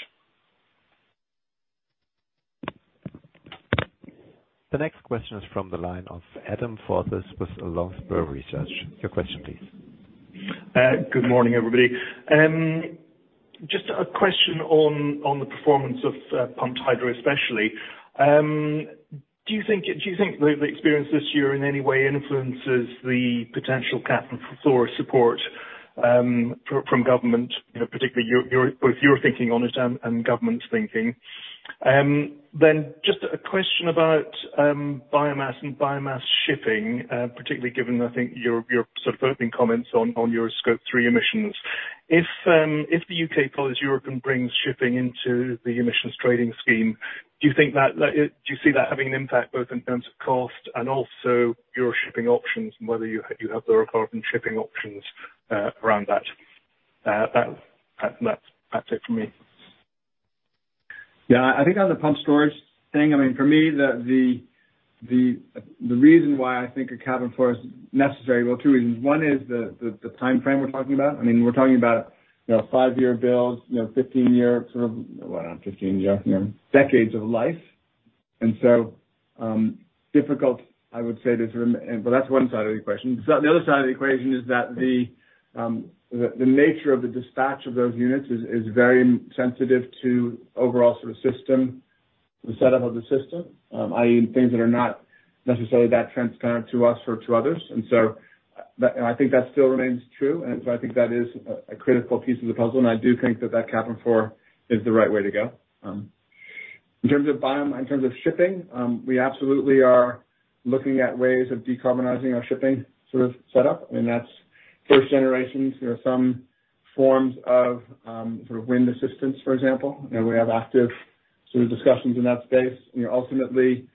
The next question is from the line of Adam Forsyth with Longspur Research. Your question please. Good morning, everybody. Just a question on the performance of pumped hydro, especially. Do you think the experience this year in any way influences the potential cap and floor support from government, you know, particularly your with your thinking on it and government's thinking? Just a question about biomass and biomass shipping, particularly given, I think your sort of opening comments on your Scope 3 emissions. If the U.K. follows Europe and brings shipping into the Emissions Trading Scheme, do you think that, like, do you see that having an impact both in terms of cost and also your shipping options and whether you have the required shipping options around that? That's it for me. Yeah. I think on the pump storage thing, I mean, for me, the reason why I think a cap and floor is necessary, well, two reasons. One is the timeframe we're talking about. I mean, we're talking about, you know, five year builds, you know, 15-year sort of... Well, not 15-year, you know, decades of life. difficult I would say to sort of... That's one side of the equation. The other side of the equation is that the nature of the dispatch of those units is very sensitive to overall sort of system, the setup of the system, i.e., things that are not necessarily that transparent to us or to others. That, and I think that still remains true. I think that is a critical piece of the puzzle, and I do think that that cap and floor is the right way to go. In terms of biome, in terms of shipping, we absolutely are looking at ways of decarbonizing our shipping sort of setup, and that's first generations. There are some forms of sort of wind assistance, for example, and we have active sort of discussions in that space. You know, ultimately,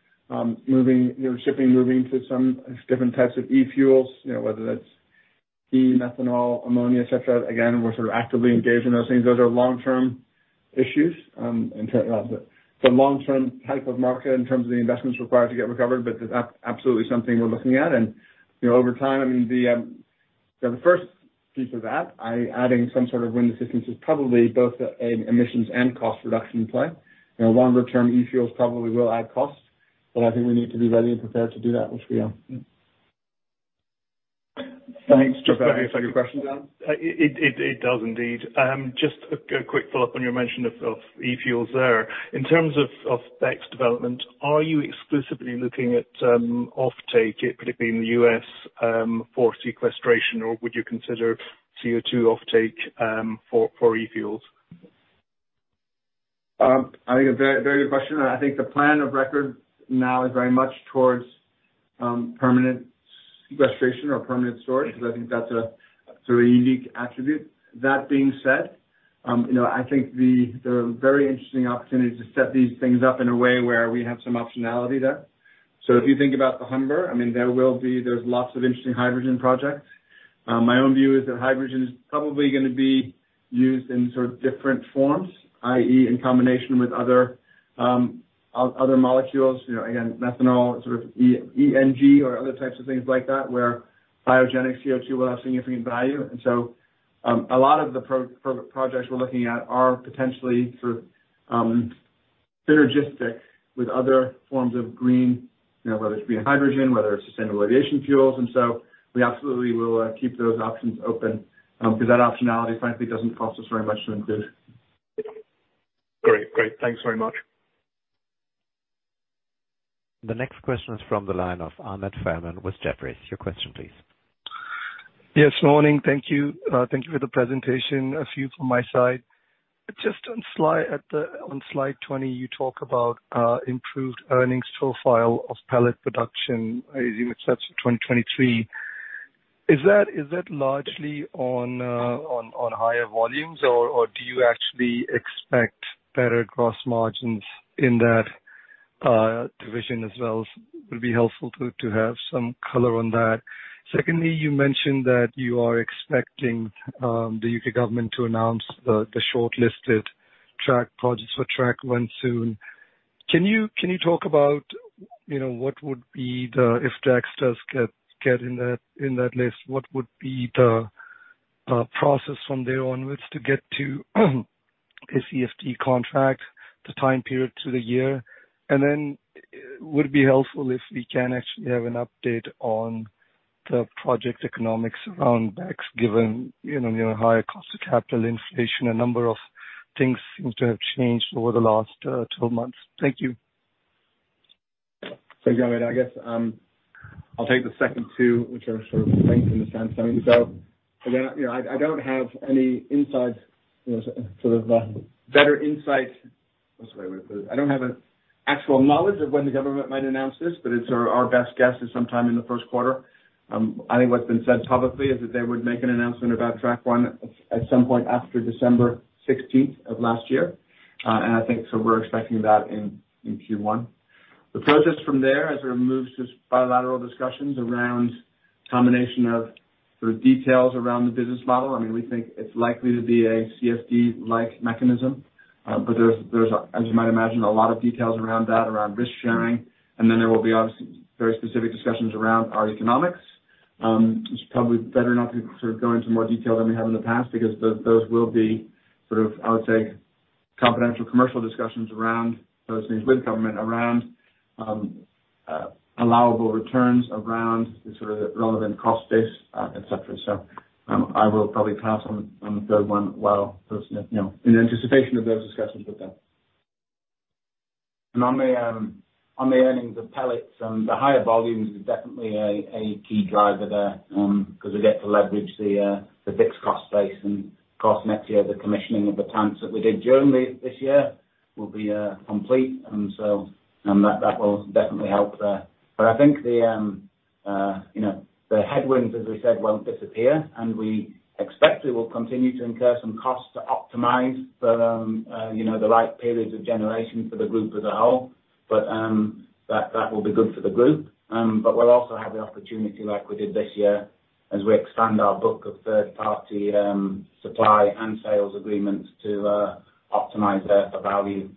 moving your shipping, moving to some different types of e-fuels, you know, whether that's e-methanol, ammonia, et cetera. Again, we're sort of actively engaged in those things. Those are long-term issues, in terms of the long-term type of market in terms of the investments required to get recovered, but that's absolutely something we're looking at. You know, over time, I mean, the first piece of that, adding some sort of wind assistance is probably both a, an emissions and cost reduction play. You know, longer-term e-fuels probably will add costs, but I think we need to be ready and prepared to do that once we are. Thanks, Will. Does that answer your question, Adam? It does indeed. Just a quick follow-up on your mention of e-fuels there. In terms of BECCS development, are you exclusively looking at offtake, could it be in the U.S., for sequestration, or would you consider CO2 offtake for e-fuels? I think a very good question, and I think the plan of record now is very much towards permanent sequestration or permanent storage, because I think that's a sort of a unique attribute. That being said, you know, I think the very interesting opportunity to set these things up in a way where we have some optionality there. If you think about the Humber, I mean, there's lots of interesting hydrogen projects. My own view is that hydrogen is probably gonna be used in sort of different forms, i.e., in combination with other molecules, you know, again, methanol, sort of e-NG or other types of things like that, where biogenic CO₂ will have significant value. A lot of the projects we're looking at are potentially sort of synergistic with other forms of green, you know, whether it's via hydrogen, whether it's Sustainable Aviation Fuels, and so we absolutely will keep those options open, because that optionality frankly doesn't cost us very much to include. Great. Great. Thanks very much. The next question is from the line of Ahmed Farman with Jefferies. Your question please. Yes, morning. Thank you. Thank you for the presentation. A few from my side. Just on slide 20, you talk about improved earnings profile of pellet production. I assume it starts in 2023. Is that largely on higher volumes, or do you actually expect better gross margins in that division as well? It would be helpful to have some color on that. Secondly, you mentioned that you are expecting the U.K. government to announce the shortlisted Track-1 projects soon. Can you talk about, you know, what would be the, if Drax does get in that list, what would be the process from there onwards to get to a CFD contract, the time period to the year? Would it be helpful if we can actually have an update on the project economics around BECCS given, you know, higher cost of capital inflation, a number of things seem to have changed over the last 12 months. Thank you. Yeah, I guess, I'll take the second two, which are sort of linked in a sense. I mean, again, you know, I don't have any insights, you know, sort of, better insight. What's the way to put it? I don't have an actual knowledge of when the government might announce this, but it's our best guess is sometime in the first quarter. I think what's been said publicly is that they would make an announcement about Track-1 at some point after December 16th of last year. And I think, we're expecting that in Q1. The process from there, as it moves to bilateral discussions around combination of sort of details around the business model. I mean, we think it's likely to be a CFD-like mechanism. But there's, as you might imagine, a lot of details around that, around risk sharing. There will be obviously very specific discussions around our economics. It's probably better not to sort of go into more detail than we have in the past because those will be sort of, I would say, confidential commercial discussions around those things with government, around allowable returns, around the sort of relevant cost base, et cetera. I will probably pass on the third one while sort of, you know, in anticipation of those discussions with them. On the earnings of pellets, the higher volumes is definitely a key driver there, 'cause we get to leverage the fixed cost base and cost next year, the commissioning of the plants that we did during this year will be complete. That will definitely help there. I think the, you know, the headwinds, as we said, won't disappear, and we expect we will continue to incur some costs to optimize the, you know, the right periods of generation for the group as a whole. That will be good for the group. We'll also have the opportunity like we did this year as we expand our book of third-party supply and sales agreements to optimize there for value.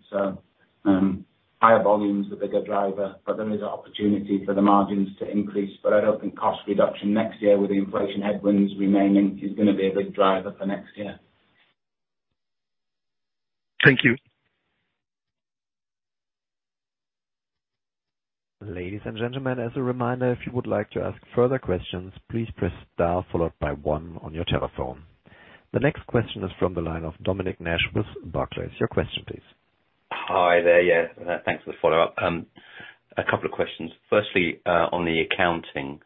Higher volume is the bigger driver, but there is an opportunity for the margins to increase. I don't think cost reduction next year with the inflation headwinds remaining is gonna be a big driver for next year. Thank you. Ladies and gentlemen, as a reminder, if you would like to ask further questions, please press star followed by one on your telephone. The next question is from the line of Dominic Nash with Barclays. Your question, please. Hi there. Yeah, thanks for the follow-up. A couple of questions. Firstly, on the accounting.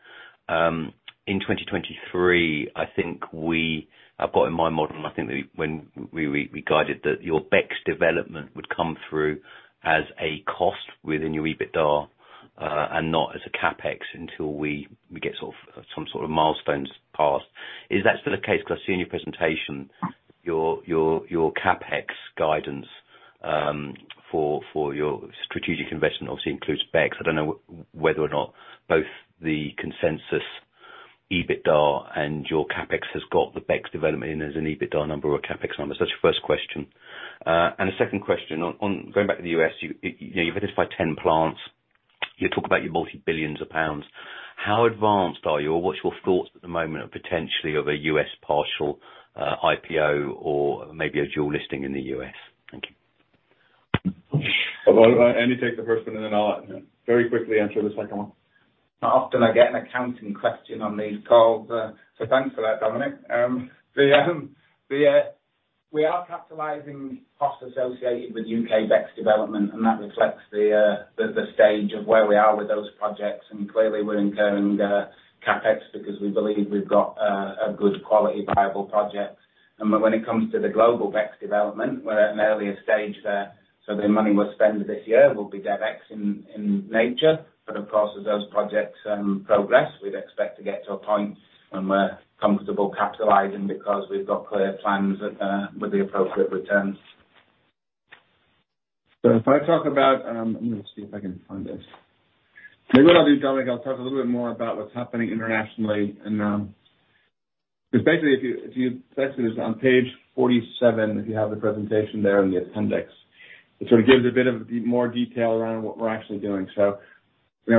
In 2023, I've got in my model, I think we, when we guided that your BECCS development would come through as a cost within your EBITDA, and not as a CapEx until we get some sort of milestones passed. Is that still the case? I see in your presentation your CapEx guidance for your strategic investment also includes BECCS. I don't know whether or not both the consensus EBITDA and your CapEx has got the BECCS development in as an EBITDA number or a CapEx number. That's your first question. A second question on going back to the U.S., you identified 10 plants. You talk about your multi-billions of GBP. How advanced are you, or what's your thoughts at the moment of potentially of a U.S. partial, IPO or maybe a dual listing in the U.S.? Thank you. Andy, take the first one, and then I'll very quickly answer the second one. Not often I get an accounting question on these calls, so thanks for that, Dominic. We are capitalizing costs associated with U.K. BECCS development. That reflects the stage of where we are with those projects. Clearly we're incurring CapEx because we believe we've got a good quality viable project. When it comes to the global BECCS development, we're at an earlier stage there, so the money we'll spend this year will be DevEx in nature. Of course, as those projects progress, we'd expect to get to a point when we're comfortable capitalizing because we've got clear plans with the appropriate returns. If I talk about. Let me see if I can find this. Maybe what I'll do, Dominic, I'll talk a little bit more about what's happening internationally. Because basically, if you... Basically it's on page 47, if you have the presentation there in the appendix. It sort of gives a bit of more detail around what we're actually doing. You know,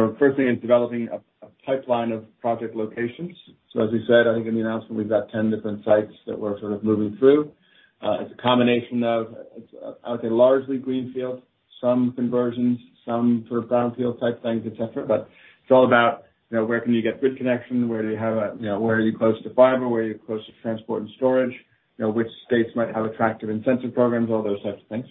we're firstly in developing a pipeline of project locations. As we said, I think in the announcement, we've got 10 different sites that we're sort of moving through. It's a combination of, I would say, largely greenfield, some conversions, some sort of brownfield type things, et cetera. It's all about, you know, where can you get grid connection? Where do you have a, you know, where are you close to fiber? Where are you close to transport and storage? You know, which states might have attractive incentive programs? All those types of things.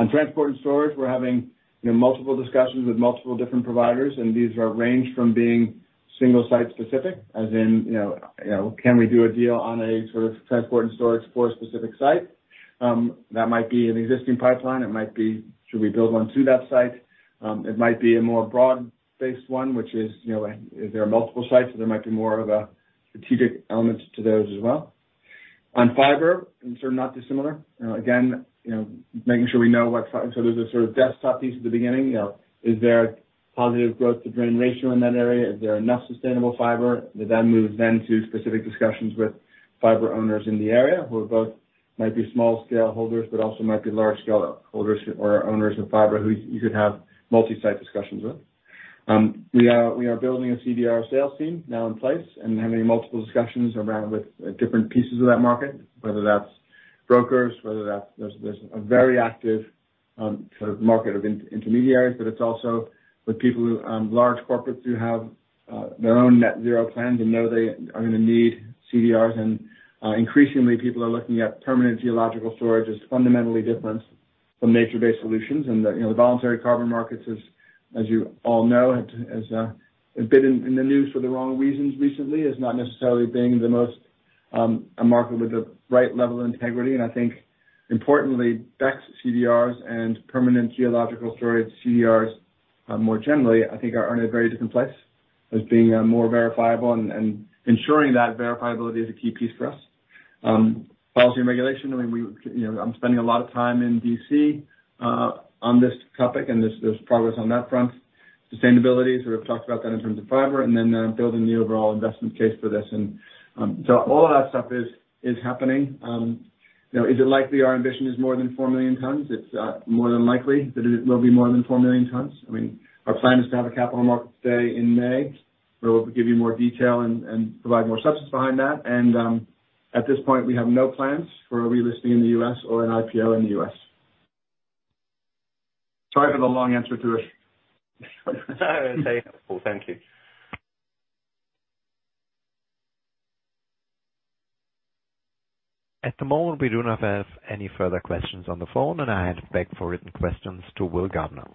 On transport and storage, we're having, you know, multiple discussions with multiple different providers, these are ranged from being single site specific as in, you know, can we do a deal on a sort of transport and storage for a specific site? That might be an existing pipeline. It might be, should we build one to that site? It might be a more broad-based one, which is, you know, is there multiple sites? There might be more of a strategic element to those as well. On fiber, sort of not dissimilar. You know, again, you know, making sure we know what... There's a sort of desktop piece at the beginning, you know, is there positive growth to drain ratio in that area? Is there enough sustainable fiber? We move to specific discussions with fiber owners in the area who are both might be small scale holders, but also might be large scale holders or owners of fiber who you could have multi-site discussions with. We are building a CDR sales team now in place and having multiple discussions around with different pieces of that market, whether that's brokers. There's a very active, sort of market of in-intermediaries, but it's also with people who, large corporates who have, their own net zero plans and know they are going to need CDRs. Increasingly people are looking at permanent geological storage as fundamentally different from nature-based solutions. The, you know, the voluntary carbon markets as you all know, has been in the news for the wrong reasons recently, as not necessarily being the most a market with the right level of integrity. I think importantly, BECCS CDRs and permanent geological storage CDRs, more generally, I think are in a very different place as being more verifiable, and ensuring that verifiability is a key piece for us. Policy and regulation, I mean, we, you know, I'm spending a lot of time in D.C., on this topic, and there's progress on that front. Sustainability, sort of talked about that in terms of fiber, and then building the overall investment case for this. All of that stuff is happening. You know, is it likely our ambition is more than 4 million tons? It's more than likely that it will be more than 4 million tons. I mean, our plan is to have a capital market day in May, where we'll give you more detail and provide more substance behind that. At this point, we have no plans for a relisting in the U.S. or an IPO in the U.S. Sorry for the long answer, Timo. No, very helpful. Thank you. At the moment, we do not have any further questions on the phone, and I hand back for written questions to Will Gardiner.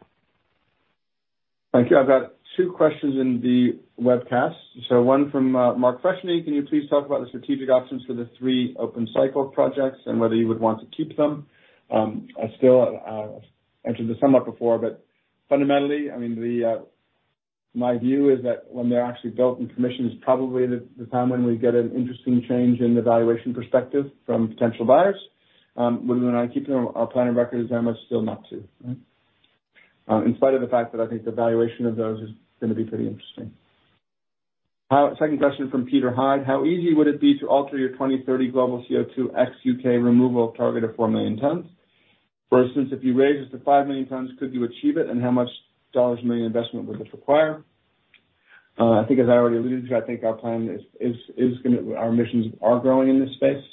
Thank you. I've got two questions in the webcast. One from Mark Freshney, "Can you please talk about the strategic options for the three open cycle projects and whether you would want to keep them?" I still answered this somewhat before, but fundamentally, I mean, my view is that when they're actually built and commissioned is probably the time when we get an interesting change in the valuation perspective from potential buyers. Whether or not keeping them on our planning record is then much still not to, right? In spite of the fact that I think the valuation of those is going to be pretty interesting. Second question from Peter Hyde, "How easy would it be to alter your 2030 global CO2 ex-U.K. removal target of 4 million tons? For instance, if you raise it to 5 million tons, could you achieve it? How much dollars a million investment would this require? I think as I already alluded to, I think our plan. Our emissions are growing in this space.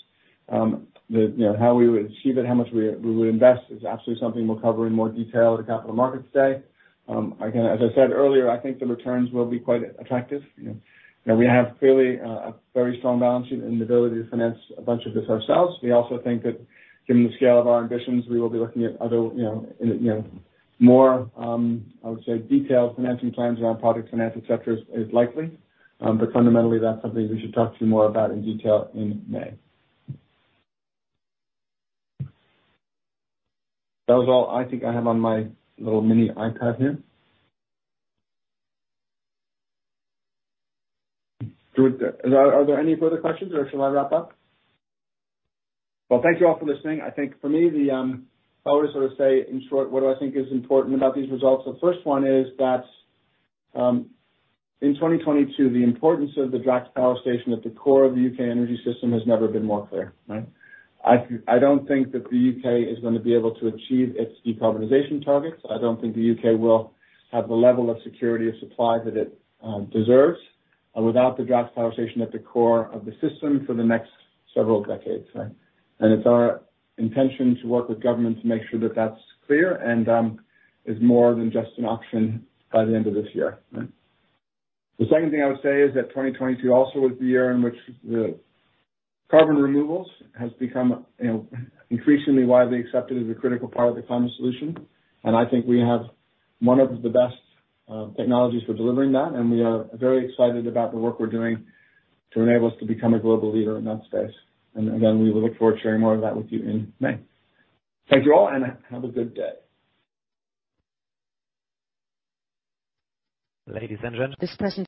You know, how we would achieve it, how much we would invest is absolutely something we'll cover in more detail at the Capital Markets Day. Again, as I said earlier, I think the returns will be quite attractive. You know, we have clearly a very strong balance sheet and the ability to finance a bunch of this ourselves. We also think that given the scale of our ambitions, we will be looking at other, you know, more, I would say, detailed financing plans around project finance, et cetera, is likely. Fundamentally, that's something we should talk to you more about in detail in May. That was all I think I have on my little mini iPad here. Timo, are there any further questions or shall I wrap up? Thank you all for listening. I think for me, the, if I were to sort of say, in short, what do I think is important about these results, the first one is that, in 2022, the importance of the Drax Power Station at the core of the U.K. energy system has never been more clear, right? I don't think that the U.K. is gonna be able to achieve its decarbonization targets. I don't think the U.K. will have the level of security of supply that it deserves without the Drax Power Station at the core of the system for the next several decades, right? It's our intention to work with government to make sure that that's clear and is more than just an option by the end of this year, right? The second thing I would say is that 2022 also was the year in which the carbon removals has become, you know, increasingly widely accepted as a critical part of the climate solution. I think we have one of the best technologies for delivering that, and we are very excited about the work we're doing to enable us to become a global leader in that space. Again, we look forward to sharing more of that with you in May. Thank you all, and have a good day. Ladies and gentlemen.